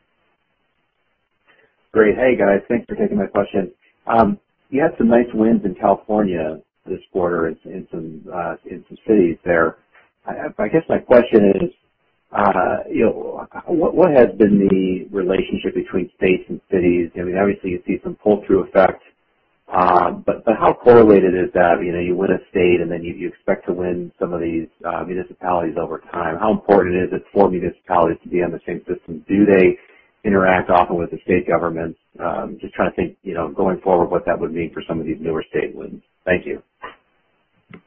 Great. Hey, guys. Thanks for taking my question. You had some nice wins in California this quarter in some cities there. I guess my question is, what has been the relationship between states and cities? Obviously, you see some pull-through effect, but how correlated is that? You win a state, and then you expect to win some of these municipalities over time. How important is it for municipalities to be on the same system? Do they interact often with the state government. Trying to think, going forward, what that would mean for some of these newer state wins. Thank you. Thank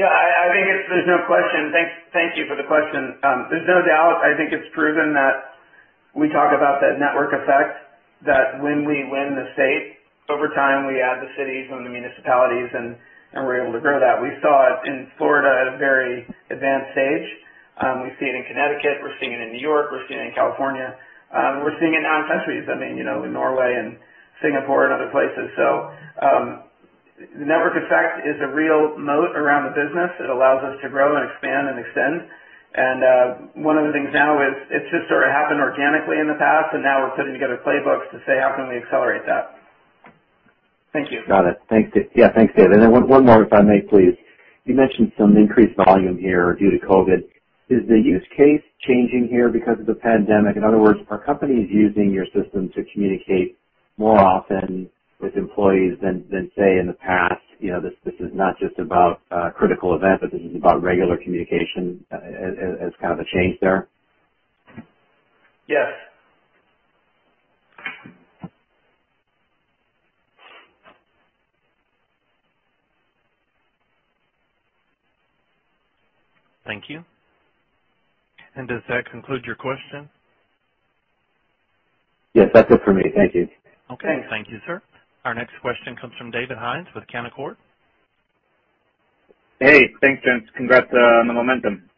you for the question. There's no doubt, I think it's proven that we talk about that network effect, that when we win the state, over time, we add the cities and the municipalities, and we're able to grow that. We saw it in Florida at a very advanced stage. We see it in Connecticut, we're seeing it in New York, we're seeing it in California. We're seeing it in other countries, I mean, Norway and Singapore and other places. The network effect is a real moat around the business. It allows us to grow and expand and extend. One of the things now is, it's just sort of happened organically in the past, and now we're putting together playbooks to say, "How can we accelerate that?" Thank you. Got it. Yeah. Thanks, David. One more, if I may, please. You mentioned some increased volume here due to COVID. Is the use case changing here because of the pandemic? In other words, are companies using your system to communicate more often with employees than, say, in the past? This is not just about a critical event, but this is about regular communication as kind of a change there. Yes. Thank you. Does that conclude your question? Yes, that's it for me. Thank you. Okay. Thank you, sir. Our next question comes from David Hynes with Canaccord. Hey, thanks, gents. Congrats on the momentum.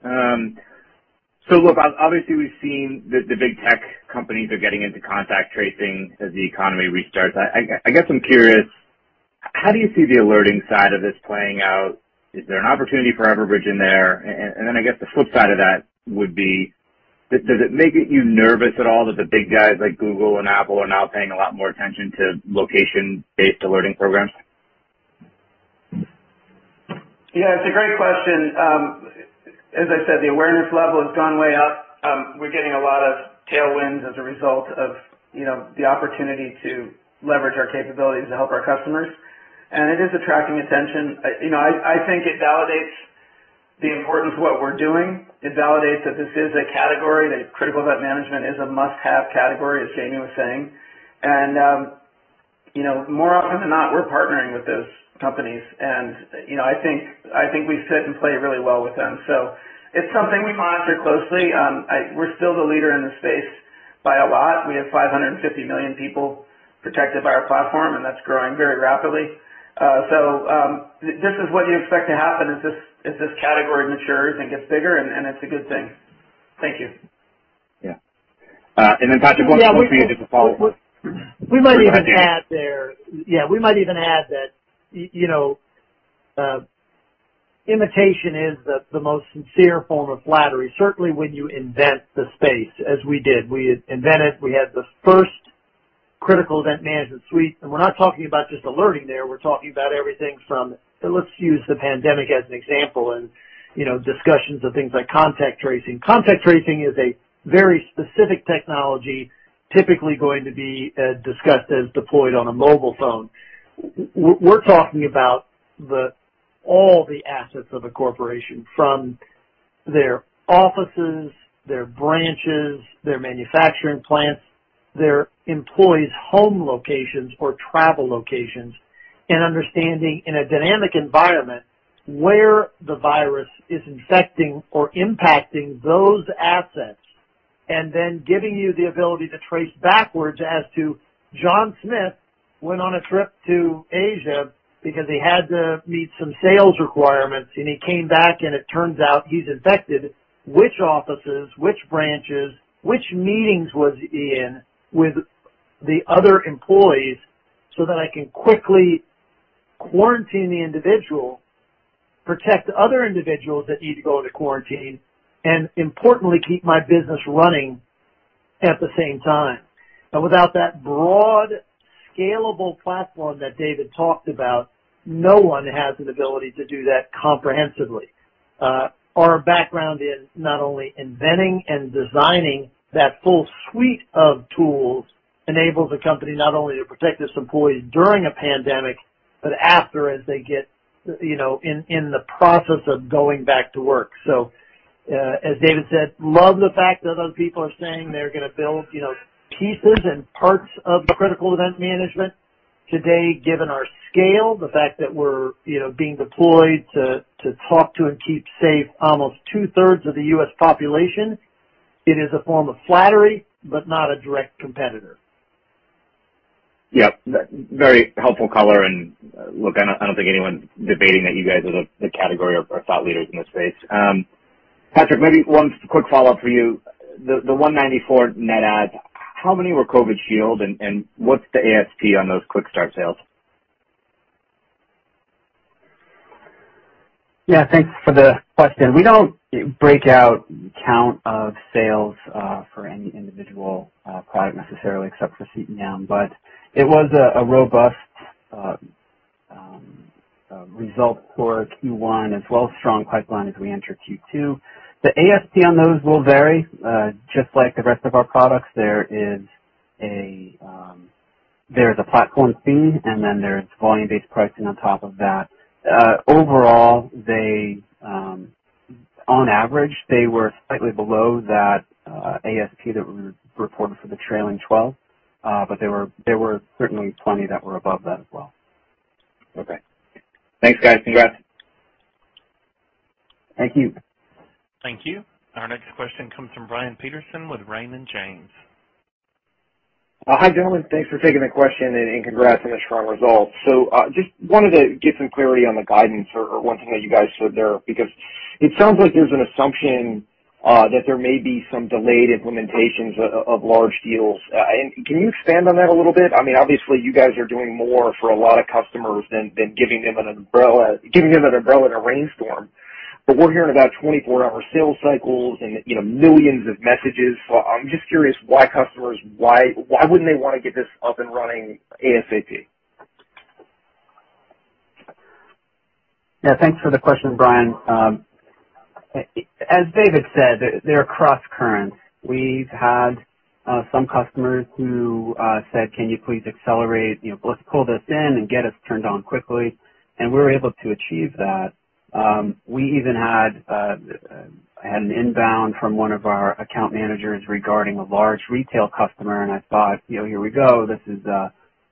Look, obviously we've seen the big tech companies are getting into contact tracing as the economy restarts. I guess I'm curious, how do you see the alerting side of this playing out? Is there an opportunity for Everbridge in there? I guess the flip side of that would be, does it make you nervous at all that the big guys like Google and Apple are now paying a lot more attention to location-based alerting programs? Yeah, it's a great question. As I said, the awareness level has gone way up. We're getting a lot of tailwinds as a result of the opportunity to leverage our capabilities to help our customers. It is attracting attention. I think it validates the importance of what we're doing. It validates that this is a category, that critical event management is a must-have category, as Jaime was saying. More often than not, we're partnering with those companies, and I think we sit and play really well with them. It's something we monitor closely. We're still the leader in the space by a lot. We have 550 million people protected by our platform, and that's growing very rapidly. This is what you expect to happen as this category matures and gets bigger, and it's a good thing. Thank you. Yeah. And Patrick, one for you just to follow up. Yeah. We might even add that imitation is the most sincere form of flattery. Certainly, when you invent the space, as we did. We had the first Critical Event Management suite. We're not talking about just alerting there. We're talking about everything from Let's use the pandemic as an example and discussions of things like contact tracing. Contact tracing is a very specific technology, typically going to be discussed as deployed on a mobile phone. We're talking about all the assets of a corporation, from their offices, their branches, their manufacturing plants, their employees' home locations or travel locations, and understanding, in a dynamic environment, where the virus is infecting or impacting those assets, and then giving you the ability to trace backwards as to John Smith went on a trip to Asia because he had to meet some sales requirements, and he came back, and it turns out he's infected. Which offices, which branches, which meetings was he in with the other employees so that I can quickly quarantine the individual, protect other individuals that need to go into quarantine, and importantly, keep my business running at the same time. Without that broad, scalable platform that David talked about, no one has an ability to do that comprehensively. Our background in not only inventing and designing that full suite of tools enables a company not only to protect its employees during a pandemic, but after, as they get in the process of going back to work. As David said, love the fact that other people are saying they're going to build pieces and parts of critical event management. Today, given our scale, the fact that we're being deployed to talk to and keep safe almost 2/3 of the U.S. population, it is a form of flattery, but not a direct competitor. Yep. Very helpful color and look, I don't think anyone's debating that you guys are the category or thought leaders in this space. Patrick, maybe one quick follow-up for you. The 194 net adds, how many were COVID Shield, and what's the ASP on those Fast Start sales? Yeah, thanks for the question. We don't break out count of sales, for any individual product necessarily, except for CEM. It was a robust result for Q1, as well as strong pipeline as we enter Q2. The ASP on those will vary. Just like the rest of our products, there is. There's a platform fee, and then there's volume-based pricing on top of that. Overall, on average, they were slightly below that ASP that we reported for the trailing 12. There were certainly plenty that were above that as well. Okay. Thanks, guys. Congrats. Thank you. Thank you. Our next question comes from Brian Peterson with Raymond James. Hi, gentlemen. Thanks for taking the question, and congrats on the strong results. Just wanted to get some clarity on the guidance or one thing that you guys said there, because it sounds like there's an assumption that there may be some delayed implementations of large deals. Can you expand on that a little bit? Obviously, you guys are doing more for a lot of customers than giving them an umbrella in a rainstorm. We're hearing about 24-hour sales cycles and millions of messages. I'm just curious why customers, why wouldn't they want to get this up and running ASAP? Yeah. Thanks for the question, Brian. As David said, there are cross currents. We've had some customers who said, "Can you please accelerate? Let's pull this in and get us turned on quickly." We were able to achieve that. We even had an inbound from one of our account managers regarding a large retail customer, and I thought, "Here we go.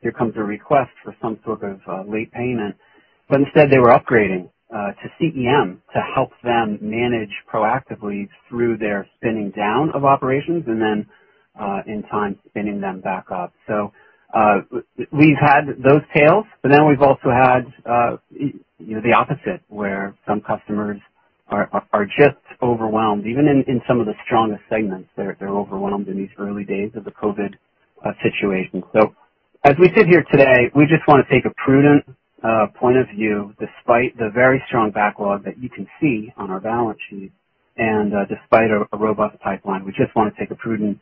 Here comes a request for some sort of late payment." Instead, they were upgrading to CEM to help them manage proactively through their spinning down of operations and then, in time, spinning them back up. We've had those tails, but then we've also had the opposite, where some customers are just overwhelmed. Even in some of the strongest segments, they're overwhelmed in these early days of the COVID situation. As we sit here today, we just want to take a prudent point of view despite the very strong backlog that you can see on our balance sheet and despite a robust pipeline. We just want to take a prudent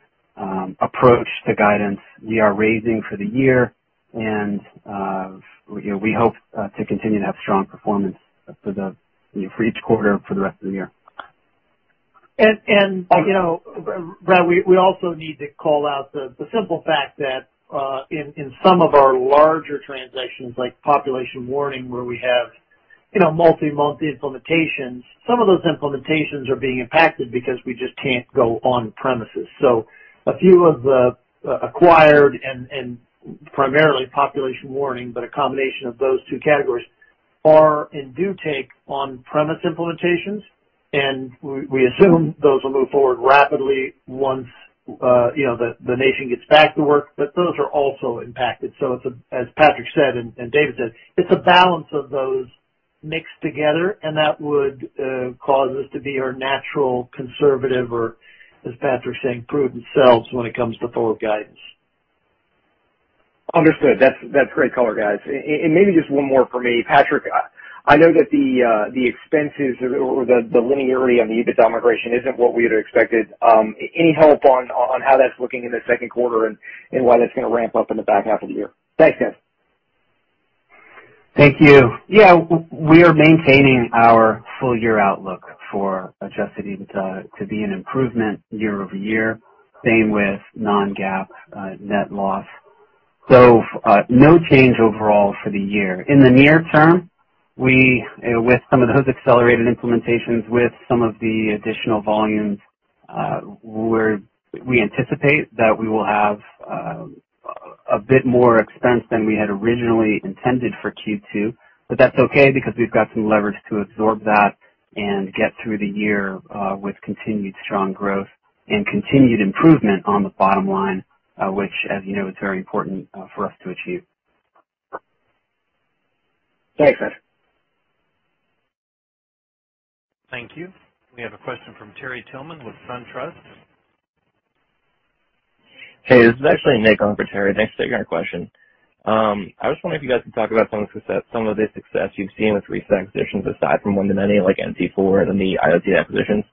approach to guidance we are raising for the year. We hope to continue to have strong performance for each quarter for the rest of the year. Brian, we also need to call out the simple fact that in some of our larger transactions, like population warning, where we have multi-month implementations. Some of those implementations are being impacted because we just can't go on premises. A few of the acquired and primarily population warning, but a combination of those two categories are and do take on-premise implementations, and we assume those will move forward rapidly once the nation gets back to work. Those are also impacted. As Patrick said and David said, it's a balance of those mixed together, and that would cause us to be our natural conservative or, as Patrick's saying, prudent selves when it comes to forward guidance. Understood. That's great color, guys. Maybe just one more for me. Patrick, I know that the expenses or the linearity on the EBITDA migration isn't what we had expected. Any help on how that's looking in the second quarter and when it's going to ramp up in the back half of the year? Thanks, guys. Thank you. Yeah, we are maintaining our full-year outlook for adjusted EBITDA to be an improvement year-over-year. Same with non-GAAP net loss. No change overall for the year. In the near term, with some of those accelerated implementations, with some of the additional volumes, we anticipate that we will have a bit more expense than we had originally intended for Q2. That's okay because we've got some leverage to absorb that and get through the year with continued strong growth and continued improvement on the bottom line, which as you know, is very important for us to achieve. Thanks, guys. Thank you. We have a question from Terry Tillman with SunTrust. Hey, this is actually Nick on for Terry. Thanks for taking our question. I was wondering if you guys could talk about some of the success you've seen with recent acquisitions aside from One2Many, like NC4 and the IoT acquisitions.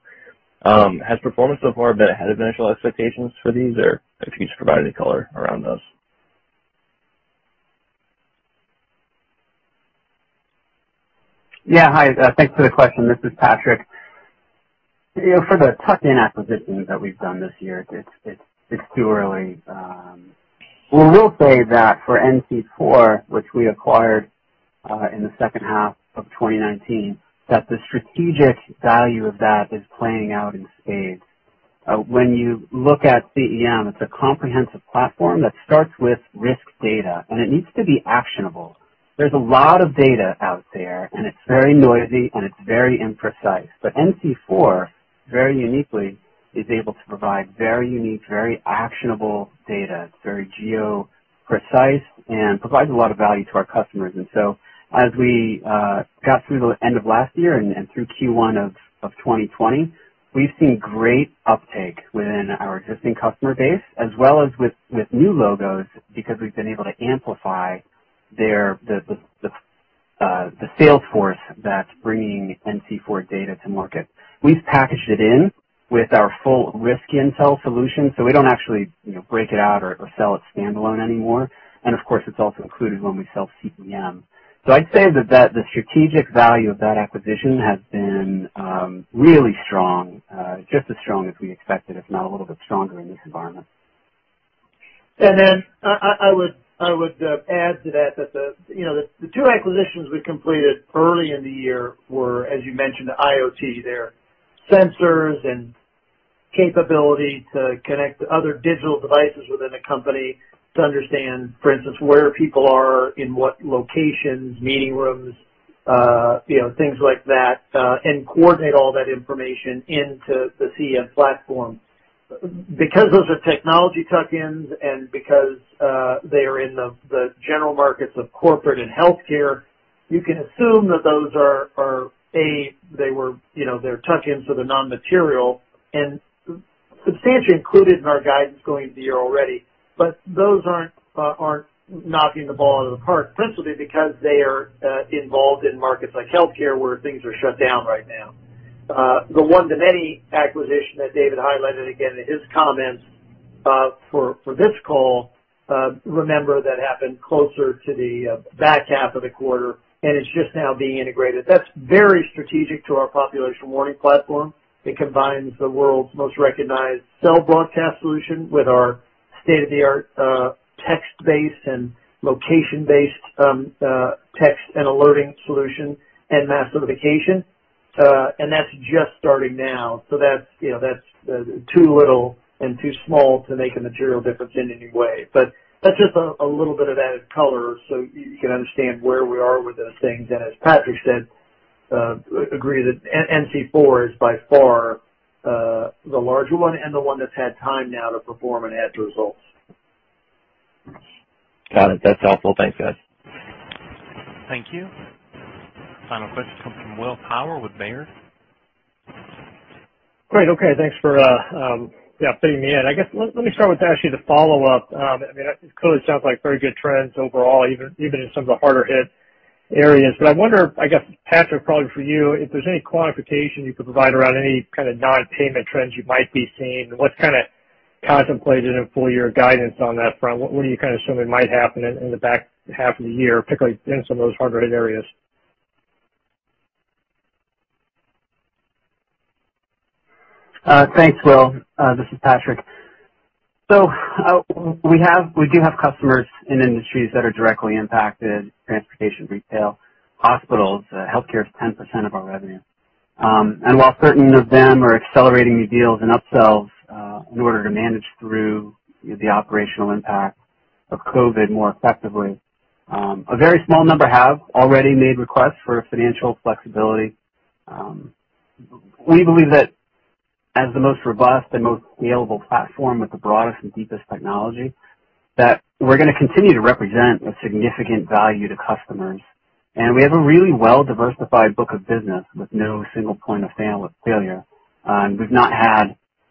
Has performance so far been ahead of initial expectations for these? If you could just provide any color around those. Yeah. Hi, thanks for the question. This is Patrick. For the tuck-in acquisitions that we've done this year, it's too early. I will say that for NC4, which we acquired in the second half of 2019, that the strategic value of that is playing out in spades. When you look at CEM, it's a comprehensive platform that starts with risk data, and it needs to be actionable. There's a lot of data out there, and it's very noisy, and it's very imprecise. NC4, very uniquely, is able to provide very unique, very actionable data. It's very geo-precise and provides a lot of value to our customers. As we got through the end of last year and through Q1 of 2020, we've seen great uptake within our existing customer base as well as with new logos because we've been able to amplify the sales force that's bringing NC4 data to market. We've packaged it in with our full risk intel solution, so we don't actually break it out or sell it standalone anymore. Of course, it's also included when we sell CEM. I'd say that the strategic value of that acquisition has been really strong, just as strong as we expected, if not a little bit stronger in this environment. I would add to that, the two acquisitions we completed early in the year were, as you mentioned, IoT. They're sensors and capability to connect to other digital devices within a company to understand, for instance, where people are, in what locations, meeting rooms, things like that, and coordinate all that information into the CEM platform. Those are technology tuck-ins and because they are in the general markets of corporate and healthcare, you can assume that those are, A, they're tuck-ins, so they're non-material and substantially included in our guidance going into the year already. Those aren't knocking the ball out of the park, principally because they are involved in markets like healthcare, where things are shut down right now. The One2Many acquisition that David highlighted again in his comments for this call, remember that happened closer to the back half of the quarter and is just now being integrated. That's very strategic to our population warning platform. It combines the world's most recognized cell broadcast solution with our state-of-the-art text-based and location-based text and alerting solution and Mass Notification. That's just starting now. That's too little and too small to make a material difference in any way. That's just a little bit of added color so you can understand where we are with those things. As Patrick said, agree that NC4 is by far the larger one and the one that's had time now to perform and add results. Got it. That's helpful. Thanks, guys. Thank you. Final question comes from Will Power with Baird. Great. Okay. Thanks for, yeah, fitting me in. I guess, let me start with actually the follow-up. It clearly sounds like very good trends overall, even in some of the harder hit areas. I wonder, I guess, Patrick, probably for you, if there's any quantification you could provide around any kind of non-payment trends you might be seeing, and what's kind of contemplated in full year guidance on that front? What are you kind of assuming might happen in the back half of the year, particularly in some of those harder hit areas? Thanks, Will. This is Patrick. We do have customers in industries that are directly impacted, transportation, retail, hospitals. Healthcare is 10% of our revenue. While certain of them are accelerating new deals and upsells in order to manage through the operational impact of COVID more effectively, a very small number have already made requests for financial flexibility. We believe that as the most robust and most scalable platform with the broadest and deepest technology, that we're going to continue to represent a significant value to customers. We have a really well-diversified book of business with no single point-of-failure. We've not had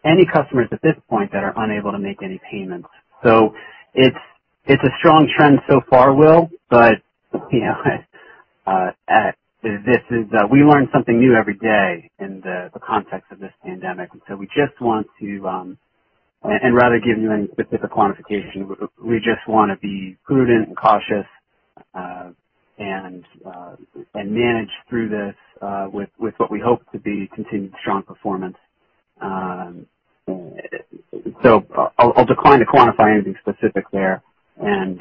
any customers at this point that are unable to make any payments. It's a strong trend so far, Will, but we learn something new every day in the context of this pandemic. So we just want to and rather give you any specific quantification, we just want to be prudent and cautious, and manage through this, with what we hope to be continued strong performance. I'll decline to quantify anything specific there and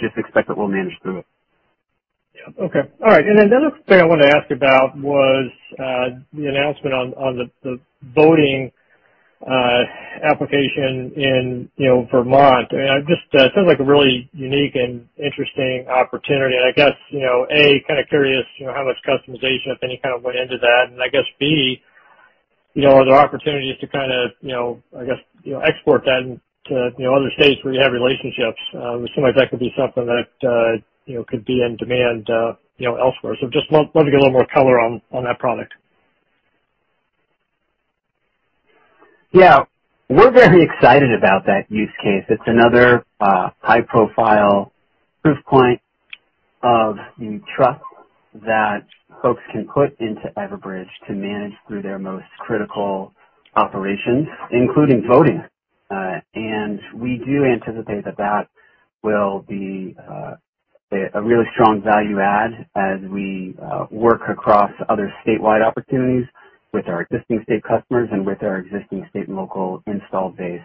just expect that we'll manage through it. Yeah. Okay. All right. The other thing I wanted to ask about was the announcement on the voting application in Vermont. It just sounds like a really unique and interesting opportunity. I guess, A, kind of curious, how much customization, if any, kind of went into that. I guess, B, are there opportunities to kind of export that into other states where you have relationships? It seems like that could be something that could be in demand elsewhere. Just wanted to get a little more color on that product. Yeah. We're very excited about that use case. It's another high-profile proof point of the trust that folks can put into Everbridge to manage through their most critical operations, including voting. We do anticipate that that will be a really strong value add as we work across other statewide opportunities with our existing state customers and with our existing state and local install base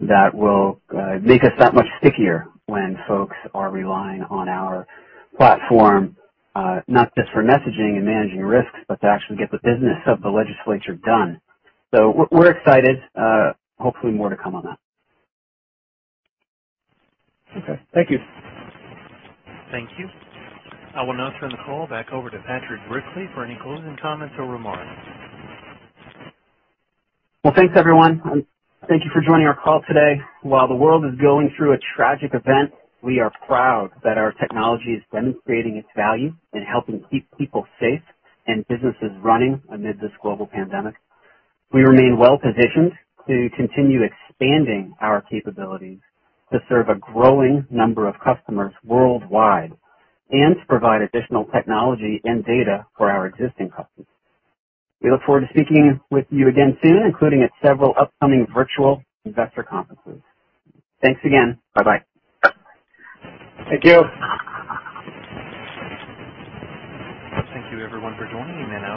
that will make us that much stickier when folks are relying on our platform, not just for messaging and managing risks, but to actually get the business of the legislature done. We're excited. Hopefully more to come on that. Okay. Thank you. Thank you. I will now turn the call back over to Patrick Brickley for any closing comments or remarks. Well, thanks, everyone. Thank you for joining our call today. While the world is going through a tragic event, we are proud that our technology is demonstrating its value in helping keep people safe and businesses running amid this global pandemic. We remain well-positioned to continue expanding our capabilities to serve a growing number of customers worldwide and to provide additional technology and data for our existing customers. We look forward to speaking with you again soon, including at several upcoming virtual investor conferences. Thanks again. Bye-bye. Thank you. Thank you everyone for joining.